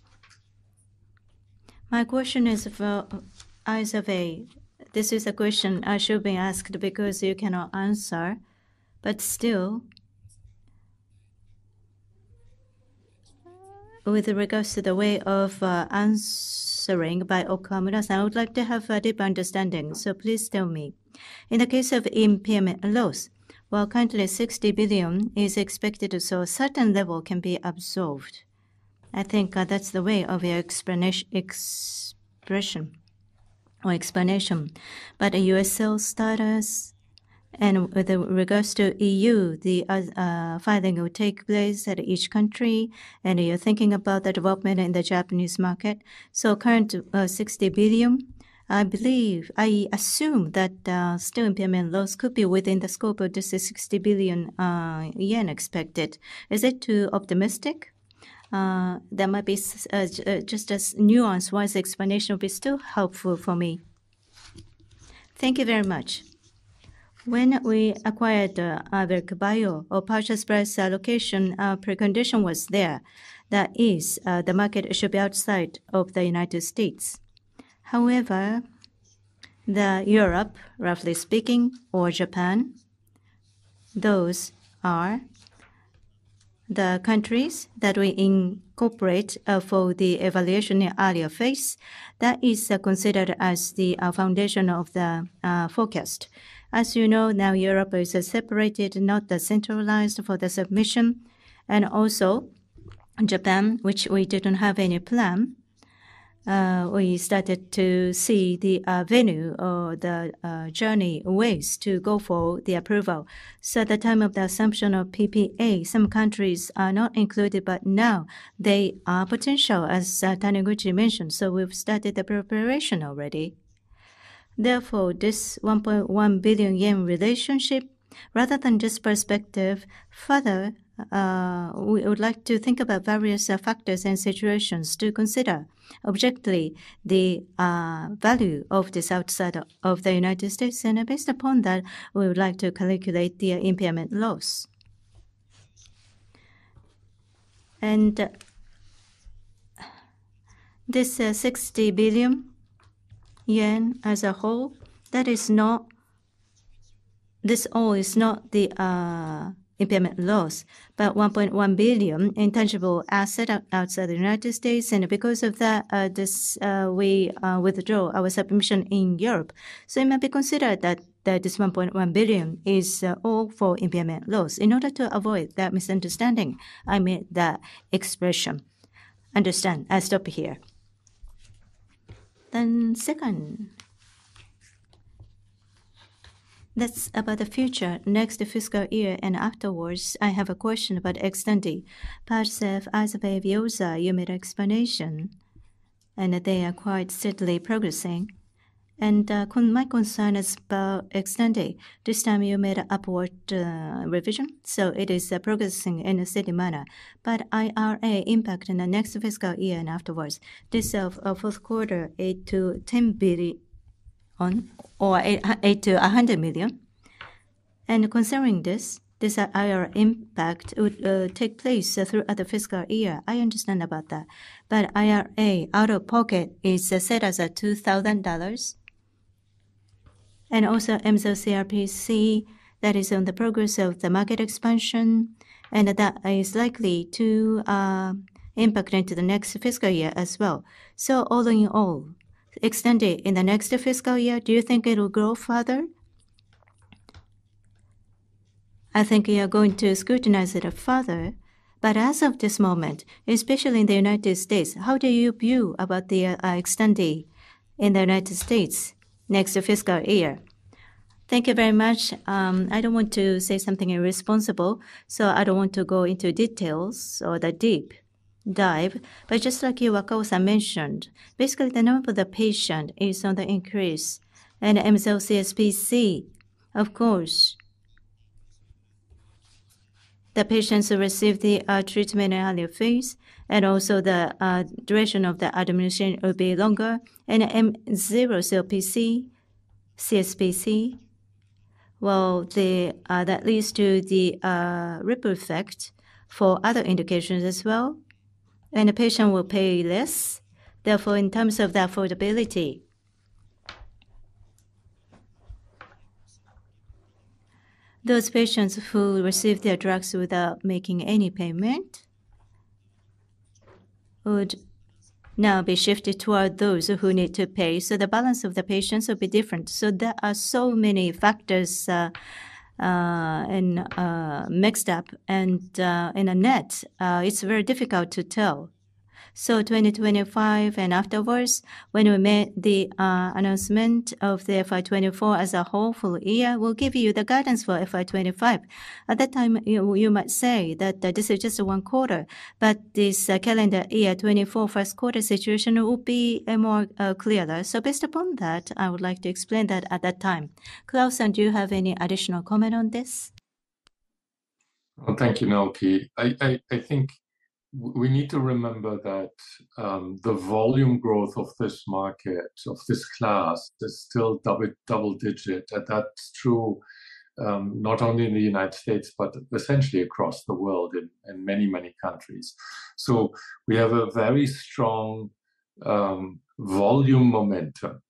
My question is for Aizawa. This is a question I should be asked because you cannot answer. But still, with regards to the way of answering by Okamura-san, I would like to have a deep understanding. So please tell me. In the case of impairment loss, well, currently 60 billion is expected. So a certain level can be absorbed. I think that's the way of your expression or explanation. But U.S. sales status and with regards to EU, the filing will take place at each country. And you're thinking about the development in the Japanese market. So current 60 billion I believe. I assume that still impairment loss could be within the scope of this 60 billion yen expected. Is it too optimistic? There might be just a nuance why the explanation would be still helpful for me. Thank you very much. When we acquired Iveric Bio, partial ex-US allocation precondition was there. That is, the market should be outside of the United States. However, Europe, roughly speaking, or Japan. Those are the countries that we incorporate for the evaluation earlier phase that is considered as the foundation of the forecast. As you know. Now, Europe is separated, not centralized for the submission, and also Japan, which we didn't have any plan. We started to see the value of the regulatory pathways to go for the approval, so at the time of the assumption of PPA, some countries are not included, but now they are potential, as Taniguchi mentioned, so we've started the preparation already. Therefore, this 1.1 billion yen is realistic rather than just perspective. Further, we would like to think about various factors and situations to consider objectively the value of this outside of the United States, and based upon that, we would like to calculate the impairment loss. And this 60 billion yen as a whole that is not this all is not the impairment loss, but 1.1 billion intangible assets outside the United States, and because of that we withdrew our submission in Europe, so it might be considered that this 1.1 billion is all for impairment loss. In order to avoid that misunderstanding, I made that expression understand. I stop here. Second, that's about the future. Next fiscal year and afterwards I have a question about XTANDI parts of biosimilars. You made explanation and they are quite steadily progressing and my concern is XTANDI this time you made an upward revision so it is progressing in a steady manner. But IRA impact in the next fiscal year and afterwards this fourth quarter, 8-10 billion or 8-100 million. And considering this, this IRA impact would take place throughout the fiscal year. I understand about that. But IRA out of pocket is set as a $2,000 and also mCRPC that is on the progress of the market expansion and that is likely to impact into the next fiscal year as well. So all in all in the next fiscal year do you think it will grow further? I think you are going to scrutinize it further. But as of this moment, especially in the United States, how do you view about the trend in the United States next fiscal year? Thank you very much. I don't want to say something irresponsible so I don't want to go into details or that deep dive. But just like Wakao-san mentioned, basically the number of the patient is on the increase and mHSPC, CSPC. Of course the patients receive the treatment earlier phase and also the duration of the admission will be longer and M0 CRPC, CSPC. Well that leads to the ripple effect for other indications as well and the patient will pay less. Therefore, in terms of the affordability, those patients who receive their drugs without making any payment would now be shifted toward those who need to pay. So the balance of the patients will be different. So there are so many factors mixed up and in a net it's very difficult to tell. So 2025 and afterwards when we made the announcement of the FY24 as a whole full year, we'll give you the guidance for FY25 at that time. You might say that this is just one-fourth, but this calendar year 2024 first quarter situation will be more clearer. So based upon that I would like to explain that at that time. Claus, do you have any additional comment on this? Thank you, Naoki. I think we need to remember that the volume growth of this market of this class is still double digit. That's true not only in the United States, but essentially across the world in many, many countries. So we have a very strong volume momentum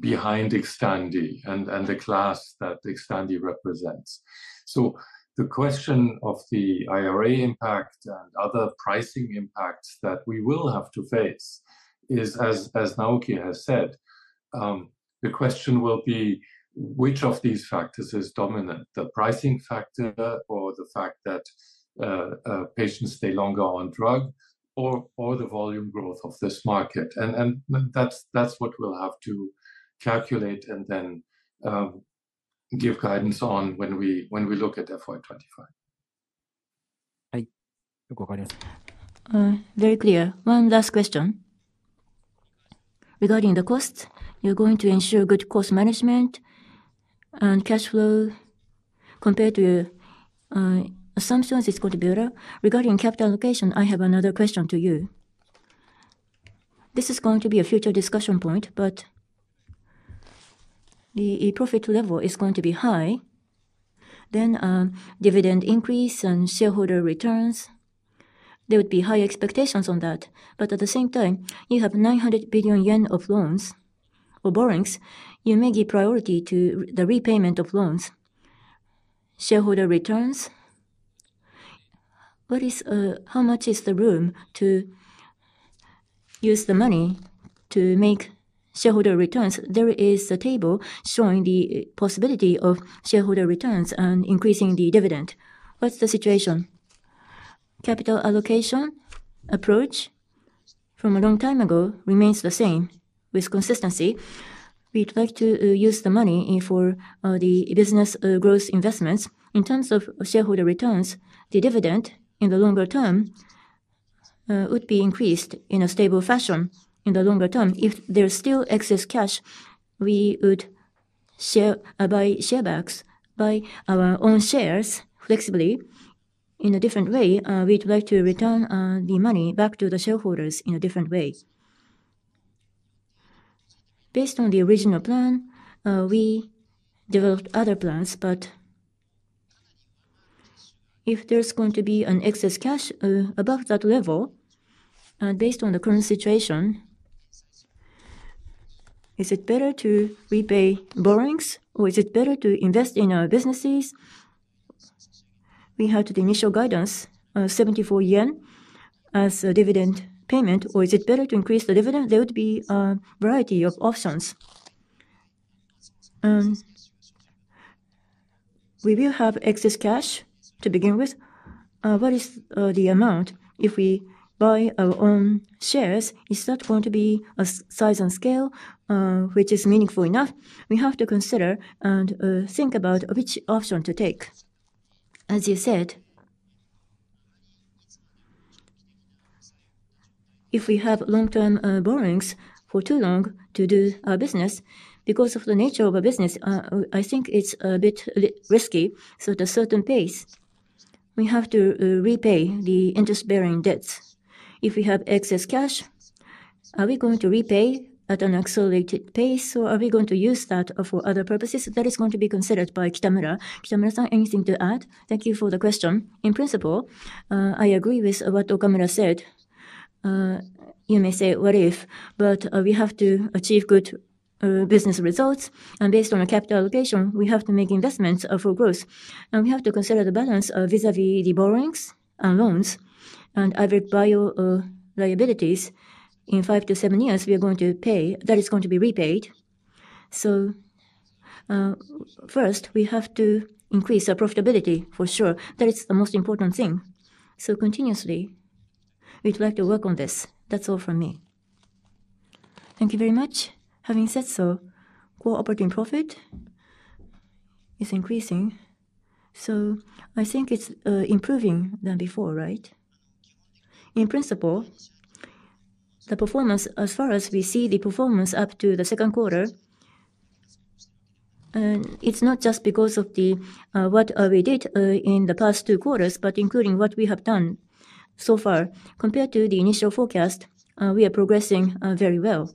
behind Xtandi and the class that Xtandi represents. So the question of the IRA impact and other pricing impacts that we will have to face is, as Naoki has said, the question will be which of these factors is dominant? The pricing factor or the fact that patients stay longer on drug or the volume growth of this market. And that's what we'll have to calculate and then give guidance on when we look at FY25. Very clear. One last question regarding the cost. You're going to ensure good cost management and cash flow. Compared to your assumptions, it's going to be better. Regarding capital allocation, I have another question to you. This is going to be a future discussion point, but the profit level is going to be high, then dividend increase and shareholder returns. There would be high expectations on that, but at the same time, you have 900 billion yen of loans or borrowings. You may give priority to the repayment of loans. Shareholder returns. How much is the room to use the money to make shareholder returns? There is a table showing the possibility of shareholder returns and increasing the dividend. What's the situation? Capital allocation approach from a long time ago remains the same with consistency. We'd like to use the money for the business growth investments. In terms of shareholder returns, the dividend in the longer term would be increased in a stable fashion. In the longer term, if there's still excess cash, we would buy share buybacks. Buy our own shares flexibly. In a different way, we'd like to return the money back to the shareholders in a different way. Based on the original plan. We developed other plans. But if there's going to be an excess cash above that level, based on the current situation, is it better to repay borrowings or is it better to invest in our businesses? We have the initial guidance. 74 yen as a dividend payment. Or is it better to increase the dividend? There would be a variety of options. We will have excess cash to begin with. What is the amount if we buy our own shares? Is that going to be a size and scale which is meaningful enough? We have to consider and think about which option to take. As you said, if we have long-term borrowings for too long to do our business, because of the nature of a business, I think it's a bit risky. So at a certain pace, we have to repay the interest-bearing debts. If we have excess cash, are we going to repay at an accelerated pace? Or are we going to use that for other purposes? That is going to be considered by Kitamura-san. Anything to add? Thank you for the question. In principle, I agree with what Okamura said. You may say what if, but we have to achieve good business results and based on a capital allocation, we have to make investments for growth. We have to consider the balance vis-à-vis the borrowings and loans and average bill liabilities. In five-to-seven years, we are going to pay. That is going to be repaid. So first we have to increase our profitability for sure. That is the most important thing. So continuously we'd like to work on this. That's all from me. Thank you very much. Having said so, core operating profit is increasing. So I think it's improving than before. Right. In principle, the performance as far as we see up to the second quarter, and it's not just because of what we did in the past two quarters, but including what we have done so far compared to the initial forecast, we are progressing very well.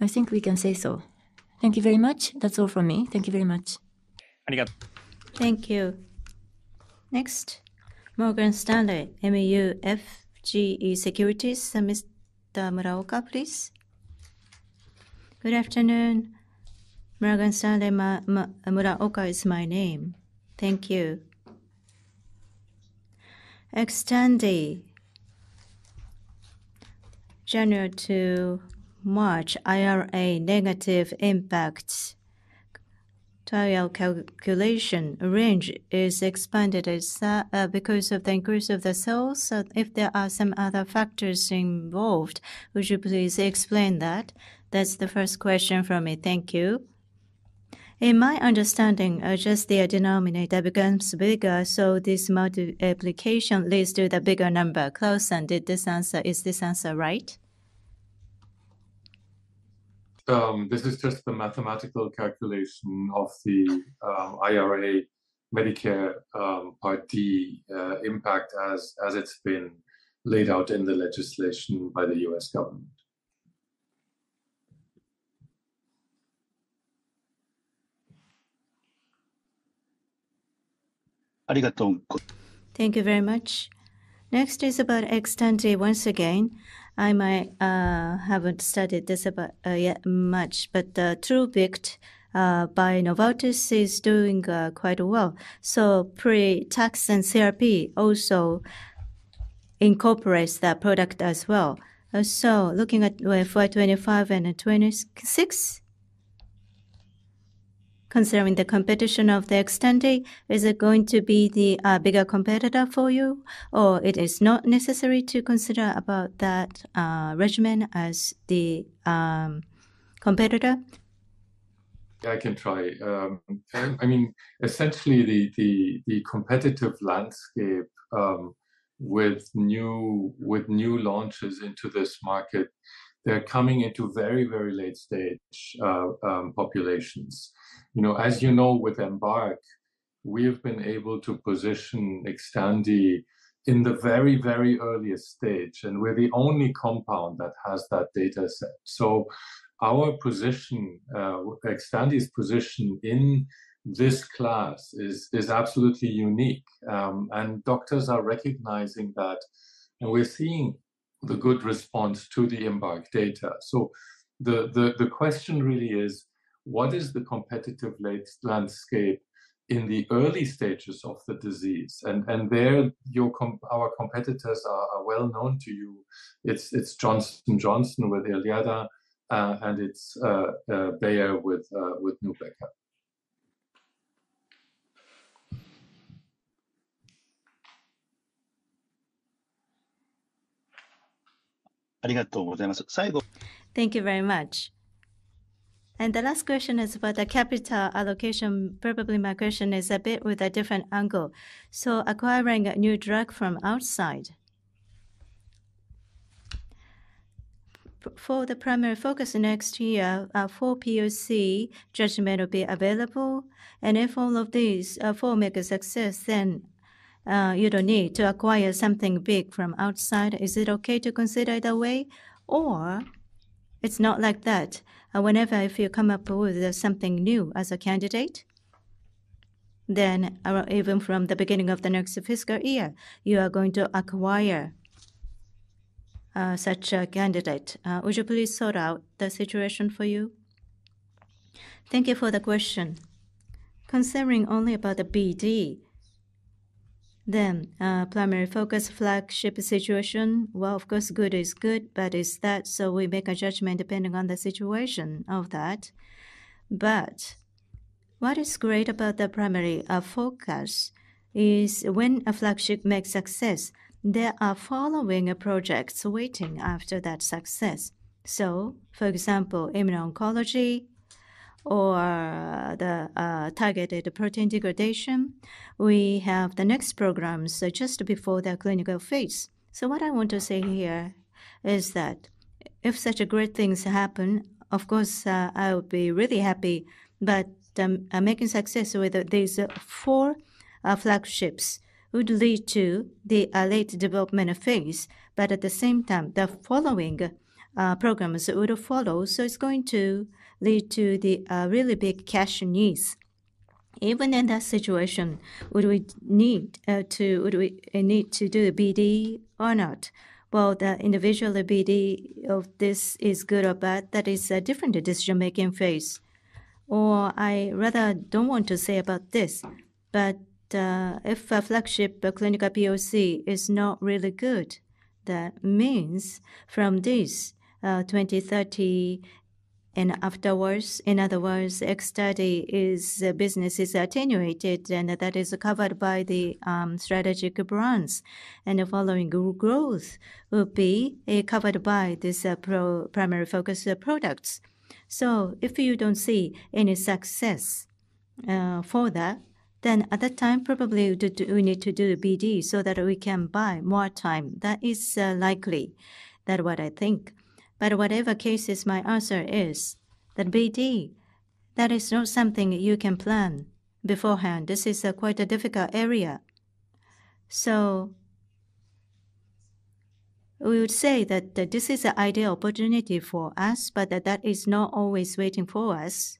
I think we can say so. Thank you very much. That's all from me. Thank you very much. Thank you. Next, Morgan Stanley's Shinichiro Muraoka, please. Good afternoon. Shinichiro Muraoka is my name. Thank you. Extend the January to March R&D negative impact trial calculation range is expanded because of the increase of the sales, so if there are some other factors involved, would you please explain that? That's the first question from me, thank you. In my understanding, just the denominator becomes bigger so this mode application leads to the bigger number. Could you answer this, is this answer right? This is just the mathematical calculation of the IRA Medicare Part D impact as it's been laid out in the legislation by the U.S. Government. Thank you very much. Next is about Xtandi. Once again, I haven't studied this yet much but Pluvicto by Novartis is doing quite well. So pre-taxane therapy also incorporates that product as well. So looking at FY 2025 and 2026, concerning the competition of the Xtandi, is it going to be the bigger competitor for you or it is not necessary to consider about that regimen as the competitor? I can try. I mean essentially the competitive landscape with new launches into this market, they're coming into very, very late stage populations. As you know, with EMBARK, we have been able to position Xtandi in the very, very earliest stage and we're the only compound that has that data set. So our position, Xtandi's position in this class is absolutely unique and doctors are recognizing that. And we're seeing the good response to the EMBARK data. So the question really is what is the competitive landscape in the early stages of the disease? And there our competitors are well known to you. It's Johnson & Johnson with Erleada and it's Bayer with Nubeqa. Thank you very much, and the last question is about the capital allocation. Probably my question is a bit with a different angle, so acquiring a new drug from outside. For the primary focus, next year four PoC judgment will be available. And if all of these four make a success, then you don't need to acquire something big from outside. Is it okay to consider it that way, or it's not like that. Whenever if you come up with something new as a candidate, then even from the beginning of the next fiscal year you are going to acquire such a candidate. Would you please sort out the situation for you? Thank you for the question. Considering only about the BD, then primary focus flagship situation, well, of course good is good, but it's that. So we make a judgment depending on the situation of that. But what is great about the primary focus is when a flagship makes success, there are following projects waiting after that success. So for example Immuno Oncology or the targeted protein degradation, we have the next program so just before the clinical phase. So what I want to say here is that if such a great things happen, of course I would be really happy. But making success with these four flagships would lead to the late development of things. But at the same time the following programs would follow. So it's going to lead to the really big cash needs. Even in that situation, would we need to do a BD or not? Well, the individual BD of this is good or bad, that is a different decision making phase. Or, I rather don't want to say about this, but if flagship clinical POC is not really good, that means from this 2030 and afterwards. In other words, Xtandi business is attenuated and that is covered by the strategic brands. The following growth will be covered by this primary focus products. So if you don't see any success for that, then at that time probably we need to do BD so that we can buy more time. That is likely what I think. But whatever cases, my answer is that BD, that is not something you can plan beforehand. This is quite a difficult area. So we would say that this is an ideal opportunity for us. But that is not always waiting for us.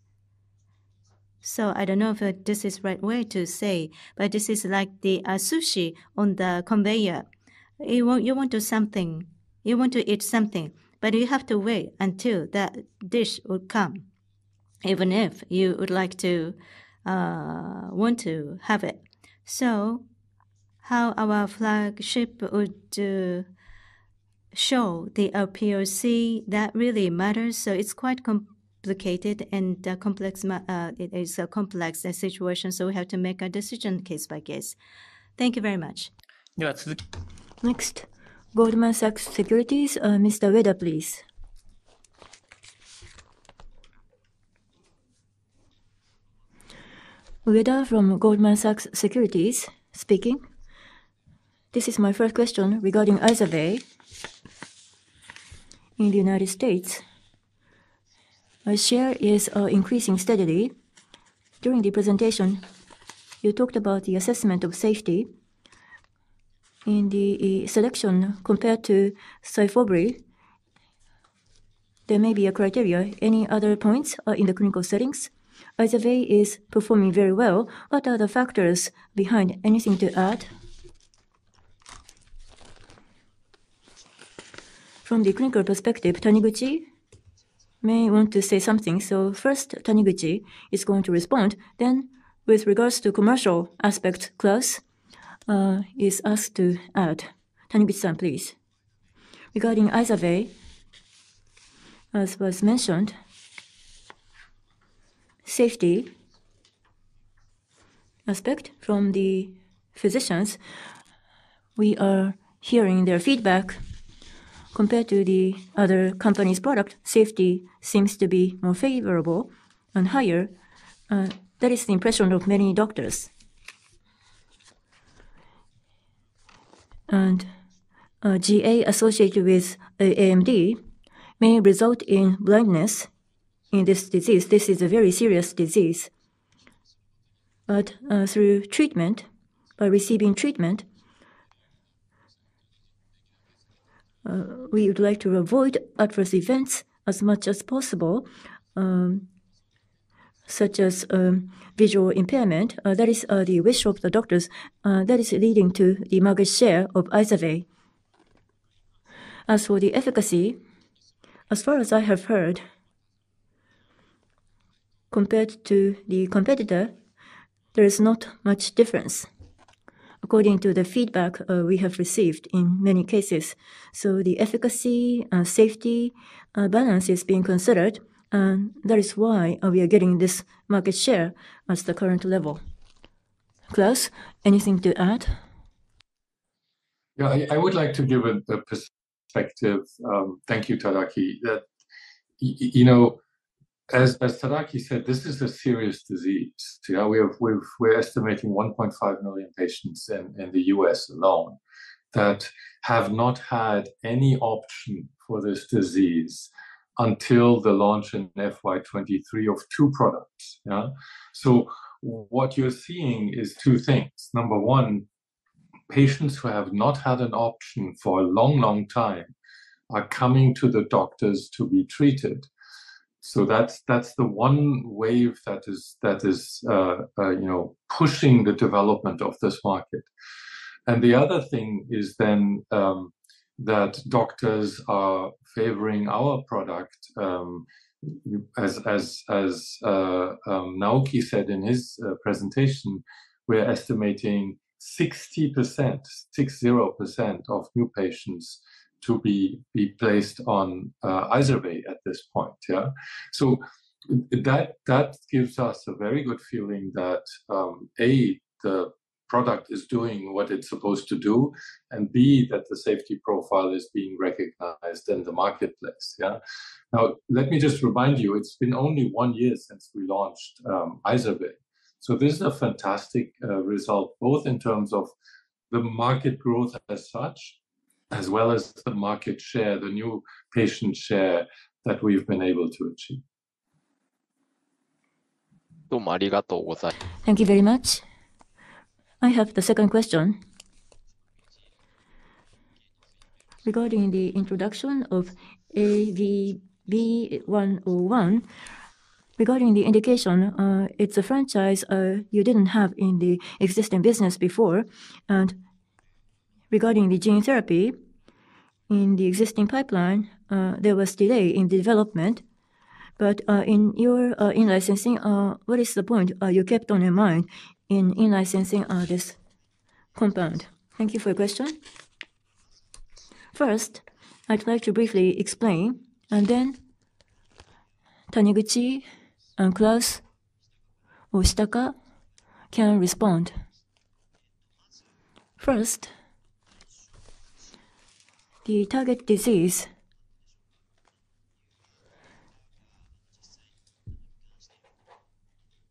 So I don't know if this is right way to say. But this is like the sushi on the conveyor. You want something, you want to eat something, but you have to wait until that dish will come, even if you would like to have it, so how our flagship would show the POC that really matters, so it is quite complicated and complex. It is a complex situation, so we have to make a decision case by case. Thank you very much. Next, Goldman Sachs. Mr. Ueda, please. Ueda from Goldman Sachs speaking. This is my first question regarding IZERVAY in the United States. Share is increasing steadily. During the presentation you talked about the assessment of safety in the selection compared to Syfovre. There may be a criteria. Any other points in the clinical settings? IZERVAY is performing very well. What are the factors behind? Anything to add from the clinical perspective? Taniguchi may want to say something, so first Taniguchi is going to respond. Then with regards to commercial aspect, Claus is asked to add. Taniguchi-san, please. Regarding IZERVAY, as was mentioned, safety aspect from the physicians we are hearing their feedback. Compared to the other company's product safety seems to be more favorable and higher. That is the impression of many doctors. GA associated with AMD may result in blindness in this disease. This is a very serious disease. Through treatment by receiving treatment, we would like to avoid adverse events as much as possible such as visual impairment. That is the wish of the doctors that is leading to the market share of IZERVAY. As for the efficacy, as far as I have heard, compared to the competitor, there is not much difference according to the feedback we have received in many cases. So the efficacy safety balance is being considered. That is why we are getting this market share at the current level. Claus, anything to add? Yeah, I would like to give a perspective. Thank you, Tadaaki. But you know, as Tadaaki said, this is a serious disease. We're estimating 1.5 million patients in the U.S. alone that have not had any option for this disease until the launch in FY23 of two products. So what you're seeing is two things. Number one, patients who have not had an option for a long, long time are coming to the doctors to be treated. So that's the one wave that is pushing the development of this market. And the other thing is then that doctors are favoring our product. As Naoki said in his presentation, we're estimating 60% of new patients to be placed on IZERVAY at this point. Yeah. So that. That gives us a very good feeling that A the product is doing what it's supposed to do and B that the safety profile is being recognized in the marketplace. Yeah. Now let me just remind you it's been only one year since we launched IZERVAY. So this is a fantastic result both in terms of the market growth as such, as well as the market share, the new patient share that we've been able to achieve. Thank you very much. I have the second question regarding the introduction of AVB101 regarding the indication it's a franchise you didn't have in the existing business before. And regarding the gene therapy in the existing pipeline there was delay in development. But in your in licensing what is the point you kept on in mind in licensing this compound? Thank you for your question. First I'd like to briefly explain and then Taniguchi and Claus, Shitaka can respond. First, the target disease.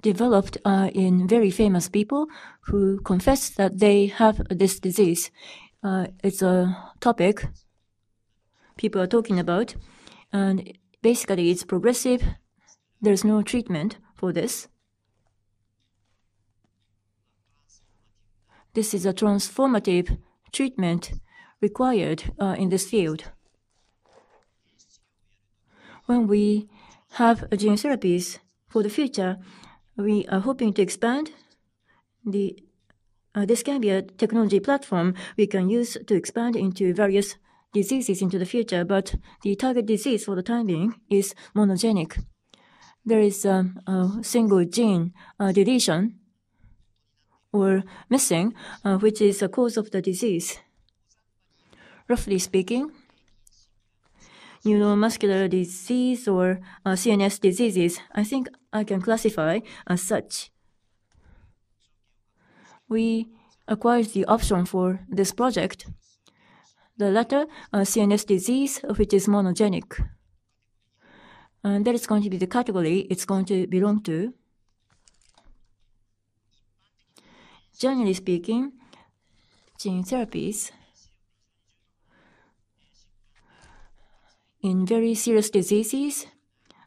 Developed in very famous people who confess that they have this disease. It's a topic people are talking about and basically it's progressive. There's no treatment for this. This is a transformative treatment required in this field. When we have gene therapies for the future, we are hoping to expand. This can be a technology platform we can use to expand into various diseases into the future, but the target disease for the time being is monogenic. There is a single gene deletion or missing which is a cause of the disease. Roughly speaking, neuromuscular disease or CNS diseases I think I can classify as such. We acquired the option for this project. The latter CNS disease of which is monogenic and that is going to be the category it's going to belong to. Generally speaking, gene therapies in very serious diseases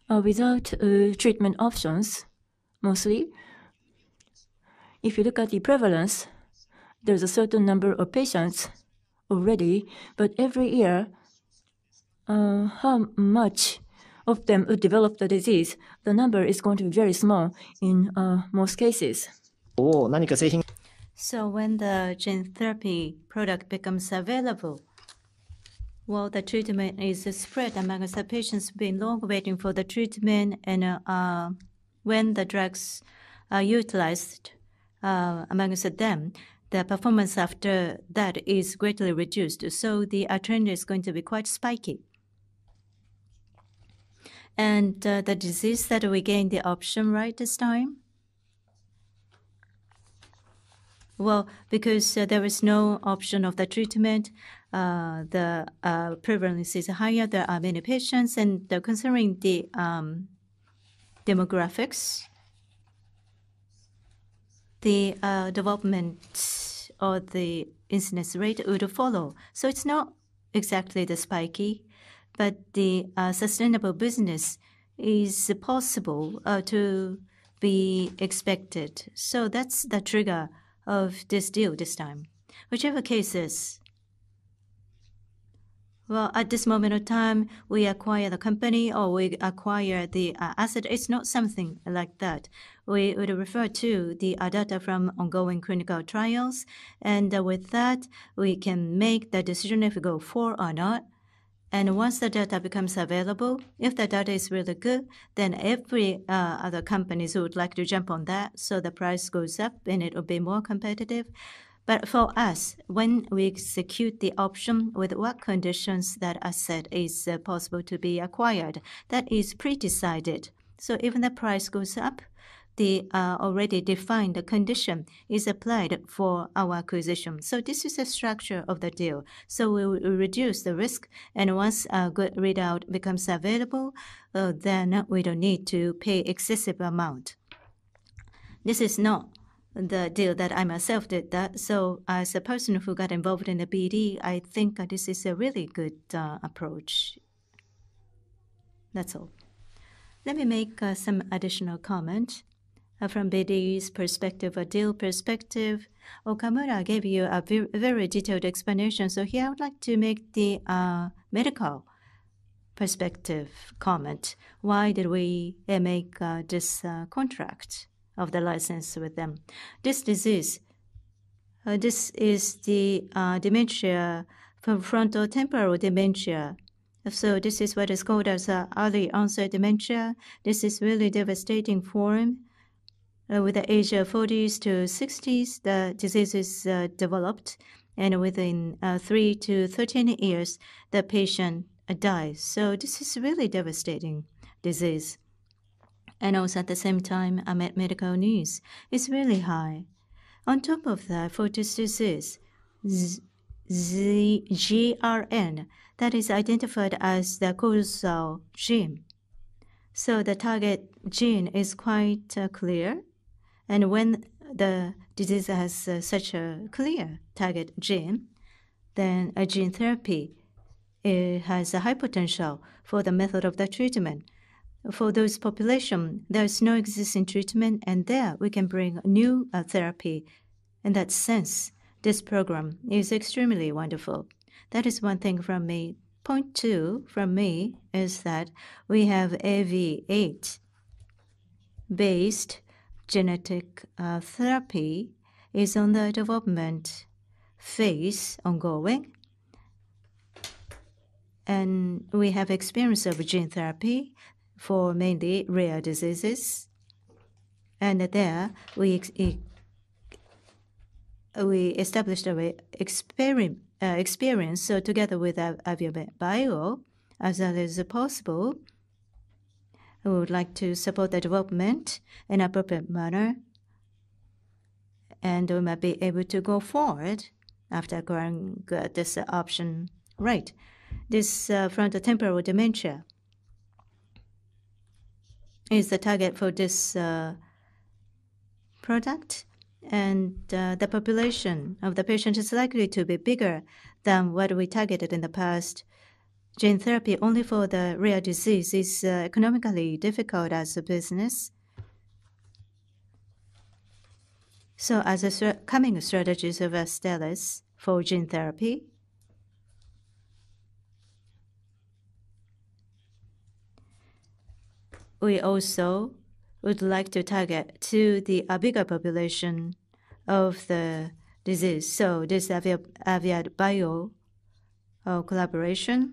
without treatment options mostly if you look at the prevalence, there's a certain number of patients already, but every year how much of them develop the disease the number is going to be very small in most cases. So when the gene therapy product becomes available while the treatment is spread amongst the patients been long waiting for the treatment and when the drugs are utilized amongst them, their performance after that is greatly reduced. So the trend is going to be quite spiky, and the disease that we gained the option right this time. Well, because there is no option of the treatment, the prevalence is higher, there are many patients and considering the demographics, the development or the incidence rate would follow. So it's not exactly the spiky, but the sustainable business is possible to be expected. So that's the trigger of this deal. This time, whichever case is well, at this moment of time, we acquire the company or we acquire the asset. It's not something like that. We would refer to the data from ongoing clinical trials and with that we can make the decision if we go forward or not, and once the data becomes available, if the data is really good, then every other company would like to jump on that, so the price goes up and it will be more competitive, but for us, when we execute the option with what conditions that asset is possible to be acquired. That is predetermined. So even the price goes up, the already defined condition is applied for our acquisition, so this is the structure of the deal, so we reduce the risk and once a good readout becomes available then we don't need to pay excessive amount. This is not the deal that I myself did, so as a person who got involved in the bd, I think this is a really good approach. That's all. Let me make some additional comment from BD's perspective or deal perspective. Okamura gave you a very detailed explanation. So here I would like to make the medical perspective comment. Why did we make this contract of the license with them? This disease? This is the dementia from frontotemporal dementia. So this is what is called as early onset dementia. This is really devastating form. With the age of 40s-60s the diseases developed and within three to 13 years the patient dies. So this is really devastating disease. And also at the same time medical needs is really high. On top of that progranulin disease GRN that is identified as the progranulin gene. So the target gene is quite clear. And when the disease has such a clear target gene, then a gene therapy has a high potential for the method of the treatment for those population. There is no existing treatment, and there we can bring new therapy. In that sense, this program is extremely wonderful. That is one thing from me. Point two from me is that we have AAV8 based genetic therapy is on the development phase ongoing, and we have experience of gene therapy for mainly rare diseases. And there we established an experience together with a view to as early as possible. We would like to support the development in appropriate manner, and we might be able to go forward after going this option. Right? This frontotemporal dementia is the target for. This. Product and the population of the patient is likely to be bigger than what we targeted in the past. Gene therapy only for the rare disease is economically difficult as a business, so as a coming strategy of Astellas for gene therapy, we also would like to target to the larger population of the disease, so this AviadoBio collaboration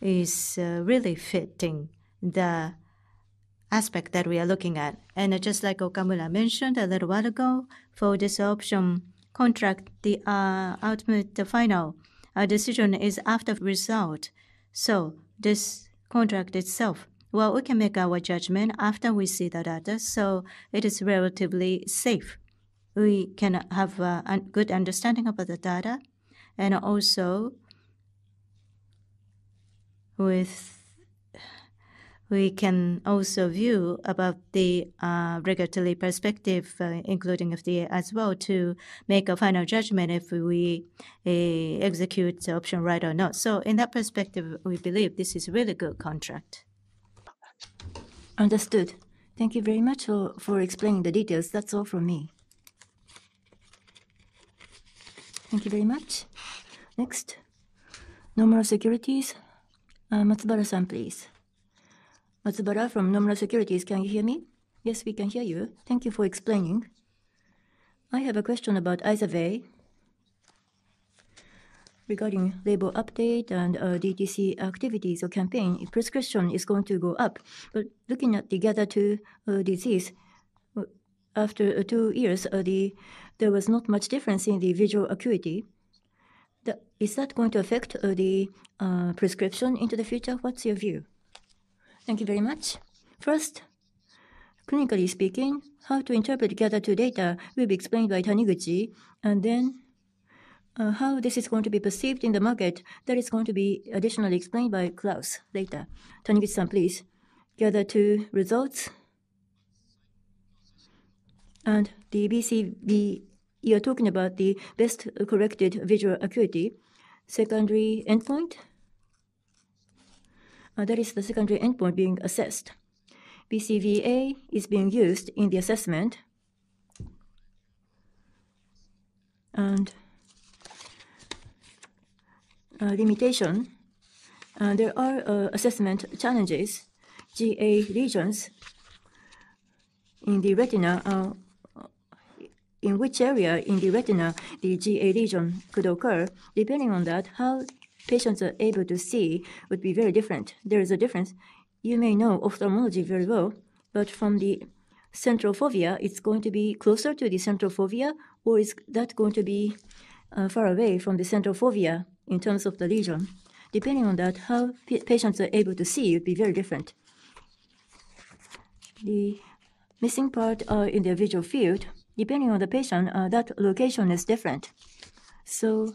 is really fitting the aspect that we are looking at, and just like Okamura mentioned a little while ago, for this option contract the ultimate final decision is after result, so this contract itself, well, we can make our judgment after we see the data, so it is relatively safe. We can have good understanding about the data, and also, we can also view about the regulatory perspective including FDA as well to make a final judgment if we execute the option right or not. In that perspective we believe this is really good contract. Understood. Thank you very much for explaining the details. That's all from me. Me. Thank you very much. Next, Nomura Securities. Matsubara-san, please. Matsubara from Nomura Securities, can you hear me? Yes, we can hear you. Thank you for explaining. I have a question about IZERVAY regarding label update and DTC activities or campaign. If prescription is going to go up. But looking at the GATHER 2 disease, after two years, there was not much difference in the visual acuity. Is that going to affect the prescription into the future? What's your view? Thank you very much. First, clinically speaking, how to interpret GATHER 2 data will be explained by Taniguchi and then how this is going to be perceived in the market. That is going to be additionally explained by Claus later. Taniguchi, please. GATHER 2 results and the BCVA. You are talking about the best corrected visual acuity secondary endpoint. That is the secondary endpoint being assessed. BCVA is being used in the assessment and limitation. There are assessment challenges. GA lesions in the retina. In which area in the retina the GA lesion could occur? Depending on that, how patients are able to see would be very different. There is a difference. You may know ophthalmology very well, but from the central fovea, it's going to be closer to the central fovea or is that going to be far away from the central fovea in terms of the lesion? Depending on that, how patients are able to see would be very different. The missing part, individual field. Depending on the patient, that location is different. So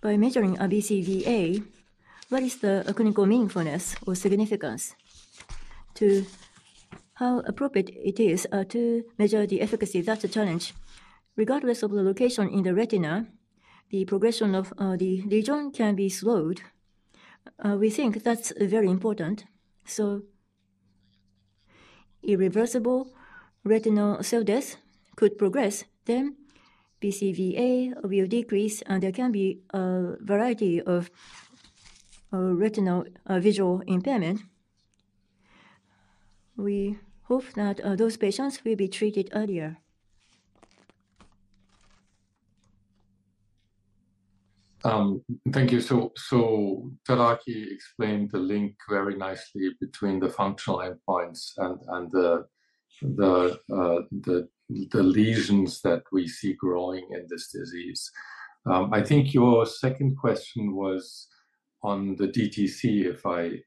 by measuring a BCVA, what is the clinical meaningfulness or significance to how appropriate it is to measure the efficacy? That's a challenge. Regardless of the location in the retina, the progression of the lesion can be slowed. We think that's very important. So irreversible retinal cell death could progress. Then BCVA will decrease and there can be a variety of retinal visual impairment. We hope that those patients will be treated earlier. Thank you. So Tadaaki explained the link very nicely between the functional endpoints and the lesions that we see growing in this disease. I think your second question was on the DTC,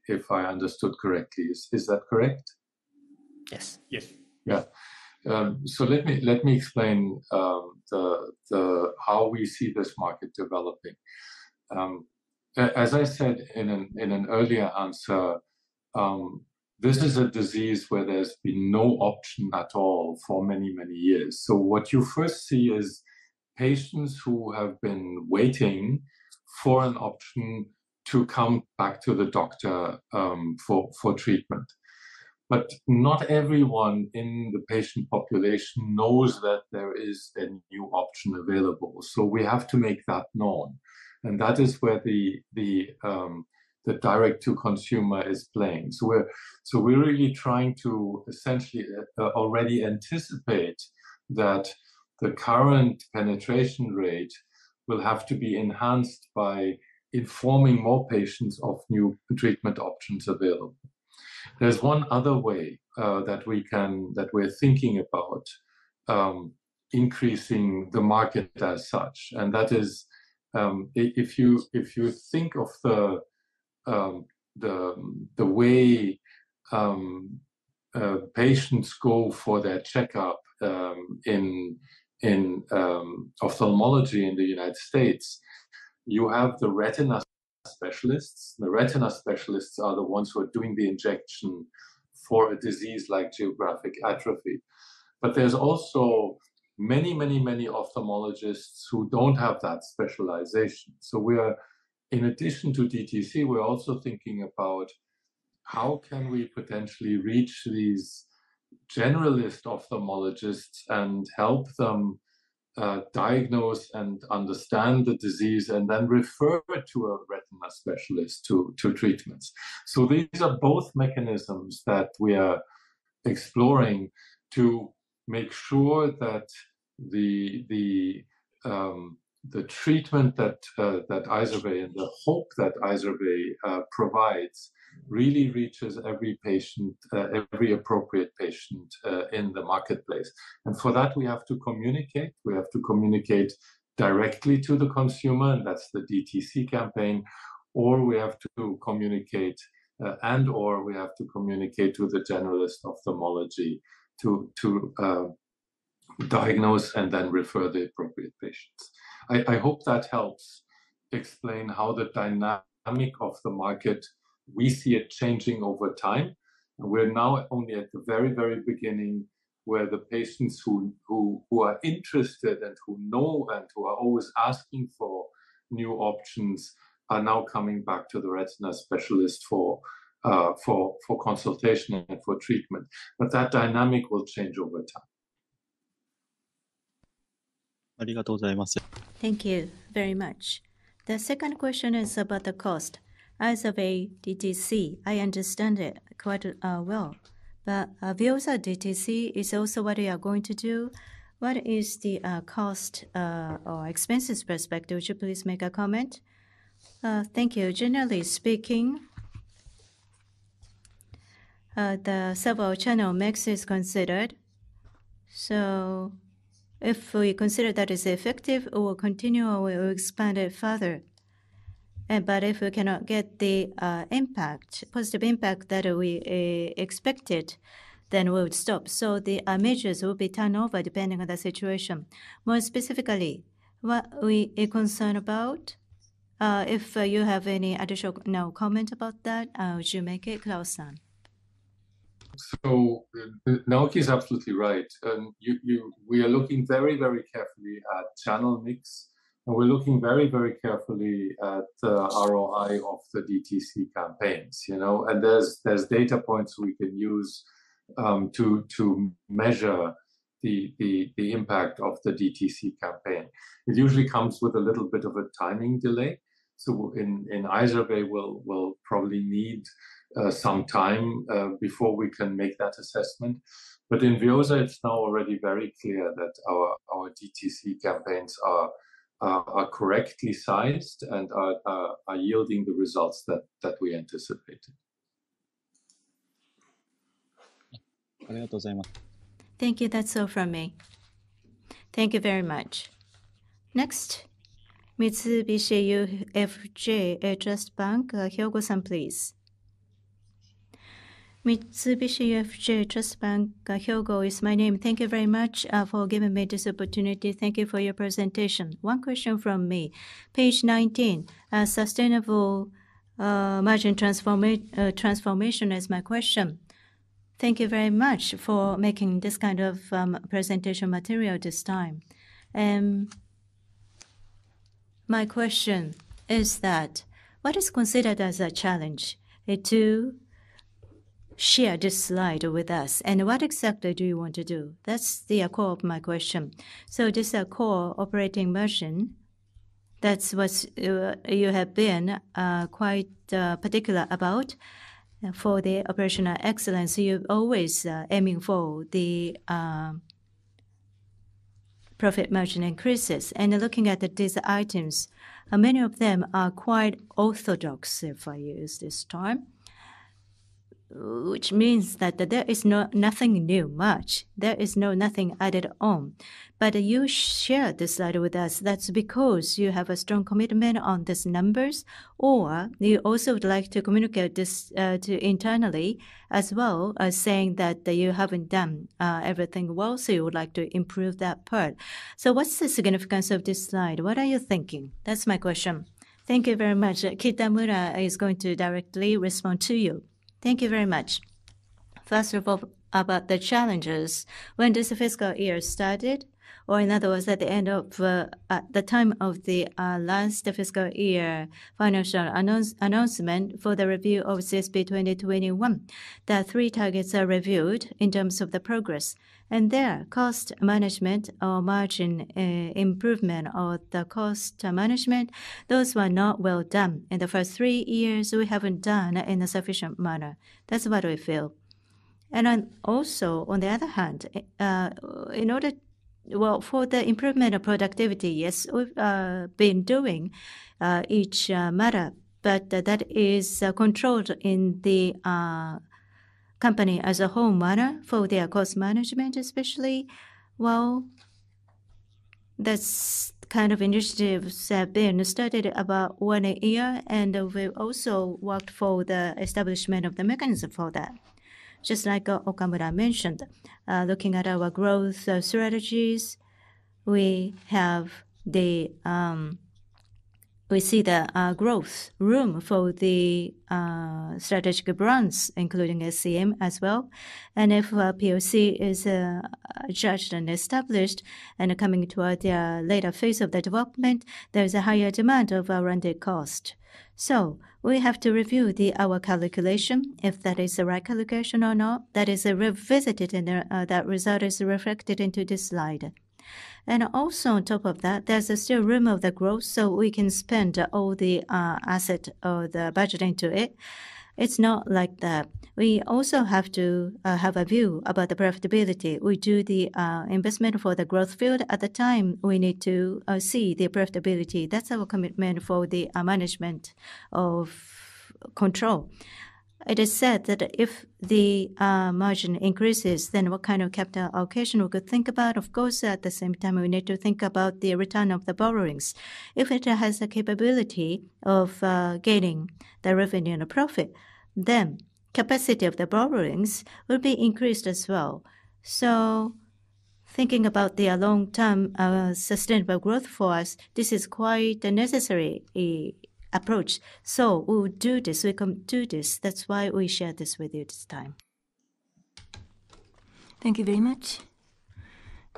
if I understood correctly. Is that correct? Yes. Yes. So let me explain how we see this market developing. As I said in an earlier answer, this is a disease where there's been no option at all for many, many years. So what you first see is patients who have been waiting for an option to come back to the doctor for treatment. But not everyone in the patient population knows that there is a new option available. So we have to make that known. And that is where the direct to consumer is playing. So we're really trying to essentially already anticipate that the current penetration rate will have to be enhanced by informing more patients of new, new treatment options available. There's one other way that we're thinking about increasing the market as such, and that is if you think of the way patients go for their checkup in ophthalmology in the United States. You have the retina specialists. The retina specialists are the ones who are doing the injection for a disease like geographic atrophy. But there's also many, many, many ophthalmologists who don't have that specialization. So we are, in addition to DTC, we're also thinking about how can we potentially reach these generalist ophthalmologists and help them diagnose and understand the disease and then refer to a retina specialist to treatments. So these are both mechanisms that we are exploring to make sure that the treatment that is IZERVAY and the hope that IZERVAY provides really reaches every patient, every appropriate patient in the marketplace. And for that we have to communicate directly to the consumer and that's the DTC campaign or we have to communicate to the generalist ophthalmology to diagnose and then refer the appropriate patients. I hope that helps explain how the dynamic of the market, we see it changing over time. We're now only at the very, very beginning where the patients who are interested and who know and who are always asking for new options are now coming back to the retina specialist for consultation and for treatment. But that dynamic will change over time. Thank you very much. The second question is about the cost aspect of DTC. I understand it quite well. But VEOZAH DTC is also what you are going to do. What is the cost or expenses perspective? Would you please make a comment? Thank you. Generally speaking, the several channel mix is considered. So if we consider that is effective, we will continue or we will expand it further. But if we cannot get the impact, positive impact that we expected, then we would stop. So the measures will be turned over depending on the situation. More specifically what we are concerned about. If you have any additional comment about that, would you make it Claus? So Naoki is absolutely right. We are looking very, very careful, carefully at channel mix and we're looking very, very carefully at ROI of the DTC campaigns. You know, and there's data points we can use to measure the impact of the DTC campaign. It usually comes with a little bit of a timing delay. So, in either way, we will probably need some time before we can make that assessment. But in VEOZAH it's now already very clear that our DTC campaigns are correctly sized and are yielding the results that we anticipated. Thank you. That's all from me. Thank you very much. Next, Mitsubishi UFJ Trust Bank, Hyogo-san. Please. Mitsubishi UFJ Trust Bank Hyogo is my name. Thank you very much for giving me this opportunity. Thank you for your presentation. One question from me, page 19 sustainable margin transformation is my question. Thank you very much for making this kind of presentation material this time. My question is, what is considered as a challenge to share this slide with us and what exactly do you want to do? That's the core of my question. This core operating version, that's what you have been quite particular about for the operational excellence. You always aiming for the profit margin increases and looking at these items, many of them are quite orthodox if I use this term, which means that there is nothing new much, there is nothing added on. But you share this slide with us. That's because you have a strong commitment on these numbers. Or you also would like to communicate this internally as well as saying that you haven't done everything well, so you would like to improve that part. So what's the significance of this slide? What are you thinking? That's my question. Thank you very much. Kitamura is going to directly respond to you. Thank you very much. First of all about the challenges. When does the fiscal year started? Or in other words, at the end of the time of the last fiscal year. Financial announcement for the review of CSP 2021. There are three targets are reviewed in terms of the progress and their cost management or margin improvement or the cost management. Those were not well done in the first three years. We haven't done in a sufficient manner. That's what we feel. And also on the other hand, in order well for the improvement of productivity. Yes, we've been doing each matter, but that is controlled in the company as a whole for their cost management especially, well, this kind of initiatives have been studied about once a year and we also worked for the establishment of the mechanism for that. Just like Okamura mentioned, looking at our growth strategies, we see the growth room for the strategic brands including LCM as well, and if POC is judged and established and coming toward the later phase of the development, there is a higher demand of R&D cost, so we have to review our calculation if that is the right calculation or not. That is revisited and that result is reflected into this slide, and also on top of that there's still room for the growth, so we can spend all the asset or the budget into it. It's not like we also have to have a view about the profitability. We do the investment for the growth field at the time we need to see the profitability. That's our commitment for the management of control. It is said that if the margin increases, then what kind of capital allocation we could think about. Of course, at the same time we need to think about the return of the borrowings. If it has the capability of gaining the revenue and a profit, then capacity of the borrowings will be increased as well. So thinking about their long term sustainable growth, for us this is quite a necessary approach. So we will do this. We can do this. That's why we share this with you this time. Thank you very much.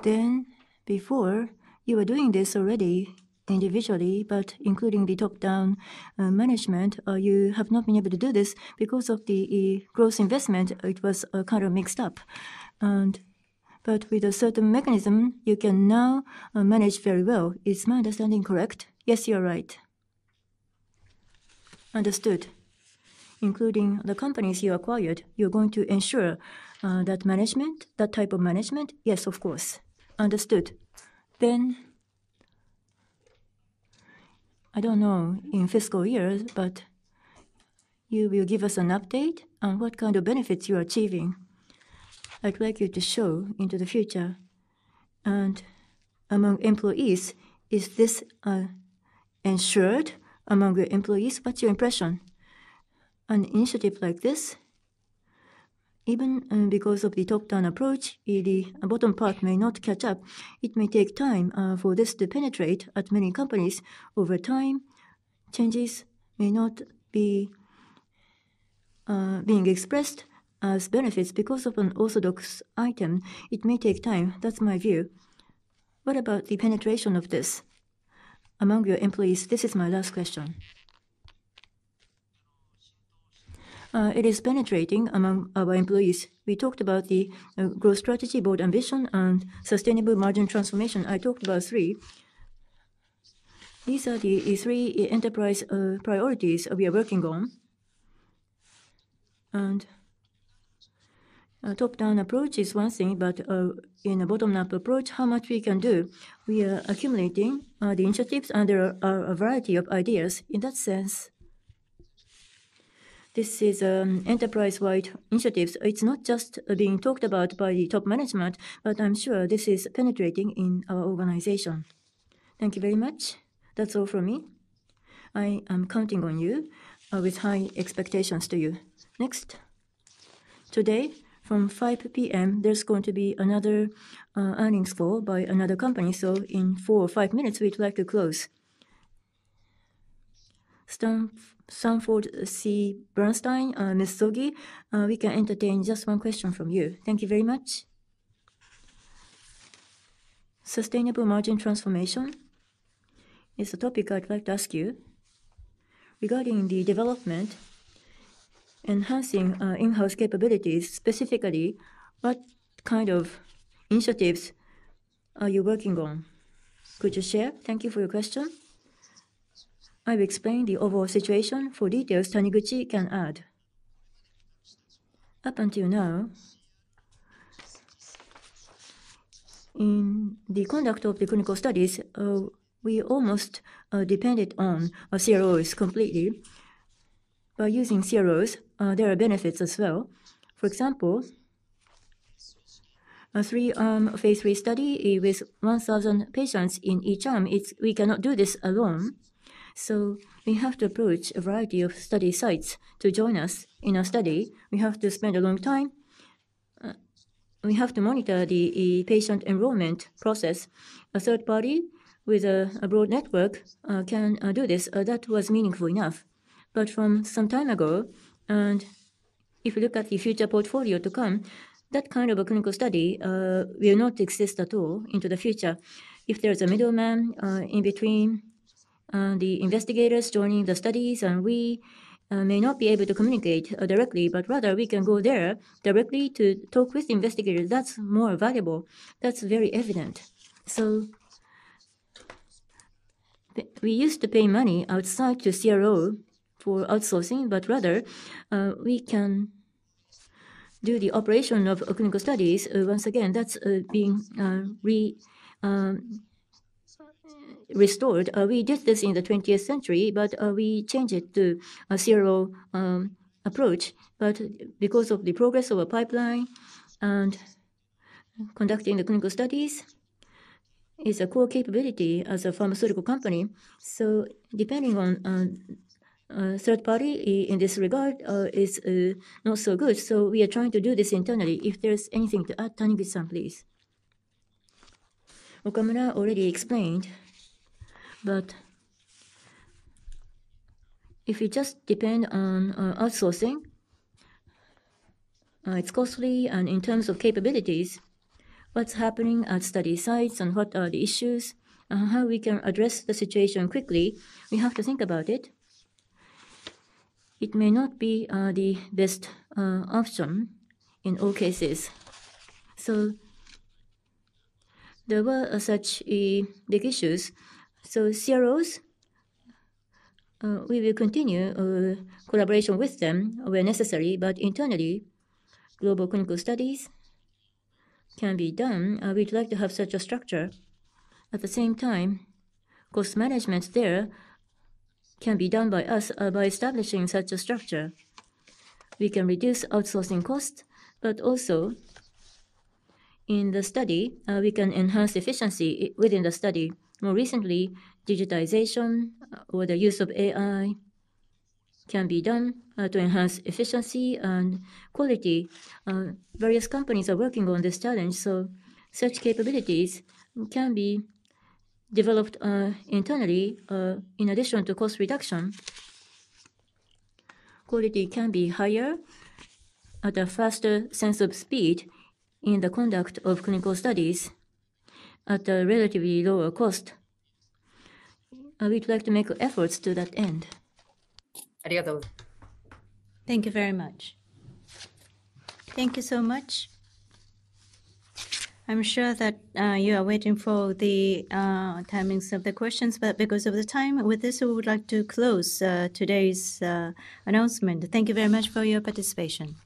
Then before you were doing this already individually, but including the top down management, you have not been able to do this because of the gross investment. It was kind of mixed up. But with a certain mechanism you can now manage very well. Is my understanding correct? Yes, you're right. Understood. Including the companies you acquired, you're going to ensure that management, that type of management. Yes, of course. Understood. Then I don't know in fiscal years. But you will give us an update on what kind of benefits you are achieving. I'd like you to show into the future and among employees. Is this ensured among your employees? What's your impression? An initiative like this, even because of the top down approach, the bottom part may not catch up. It may take time for this to penetrate at many companies over time. Changes may not be being expressed as benefits. Because of an orthodox item, it may take time. That's my view. What about the penetration of this among your employees? This is my last question. It is penetrating. Among our employees we talked about the Growth Strategy Board ambition and sustainable margin transformation. I talked about three. These are the three enterprise priorities we are working on. And top-down approach is one thing. But in a bottom-up approach, how much we can do. We are accumulating the initiatives under a variety of ideas. In that sense, this is an enterprise-wide initiative. It's not just being talked about by the top management. But I'm sure this is penetrating in our organization. Thank you very much. That's all from me. I am counting on you with high expectations to you. Next, today from 5 p.m. there's going to be another earnings call by another company. So in four or five minutes we'd like to close. Sanford C. Bernstein, Ms. Sogi, we can entertain just one question from you. Thank you very much. Sustainable margin transformation is a topic I'd like to ask you regarding the development enhancing in-house capabilities. Specifically what kind of initiatives are you working on? Ms. Sogi, thank you for your question. I've explained the overall situation for details. Taniguchi can add. Up until now, in the conduct of the clinical studies, we almost depended on CROs completely. By using CROs, there are benefits as well. For example, a phase 3 study with 1,000 patients in each arm. We cannot do this alone. So we have to approach a variety of study sites. To join us in our study, we have to spend a long time. We have to monitor the patient enrollment process. A third party with a broad network can do this. That was meaningful enough, but from some time ago, and if you look at the future portfolio to come, that kind of a clinical study will not exist at all into the future. If there is a middleman in between the investigators joining the studies, and we may not be able to communicate directly, but rather we can go there directly to talk with investigators, that's more valuable. That's very evident, so we used to pay money outside to CRO for outsourcing, but rather we can do the operation of clinical studies. Once again that's being restored. We did this in the 20th century, but we changed it to a zero approach. But because of the progress of a pipeline and conducting the clinical studies is a core capability as a pharmaceutical company. So depending on third party in this regard is not so good. So we are trying to do this internally. If there's anything to add Taniguchi on please Okamura already explained but if you just depend on outsourcing, it's costly. And in terms of capabilities, what's happening at study sites and what are the issues how we can address the situation quickly we have to think about may not be the best option in all cases. So there were such big issues. So, CROs. We will continue collaboration with them where necessary. But internally global clinical studies can be done. We'd like to have such a structure. At the same time, cost management there can be done by us. By establishing such a structure, we can reduce outsourcing cost, but also in the study we can enhance efficiency within the study. More recently, digitization or the use of AI can be done to enhance efficiency and quality. Various companies are working on this challenge, so such capabilities can be developed internally. In addition to cost reduction, quality can be higher at a faster sense of speed in the conduct of clinical studies at a relatively lower cost. We'd like to make efforts to that end. Thank you very much. Thank you so much. I'm sure that you are waiting for the timings of the questions, but because of the time, with this, we would like to close today's announcement. Thank you very much for your participation.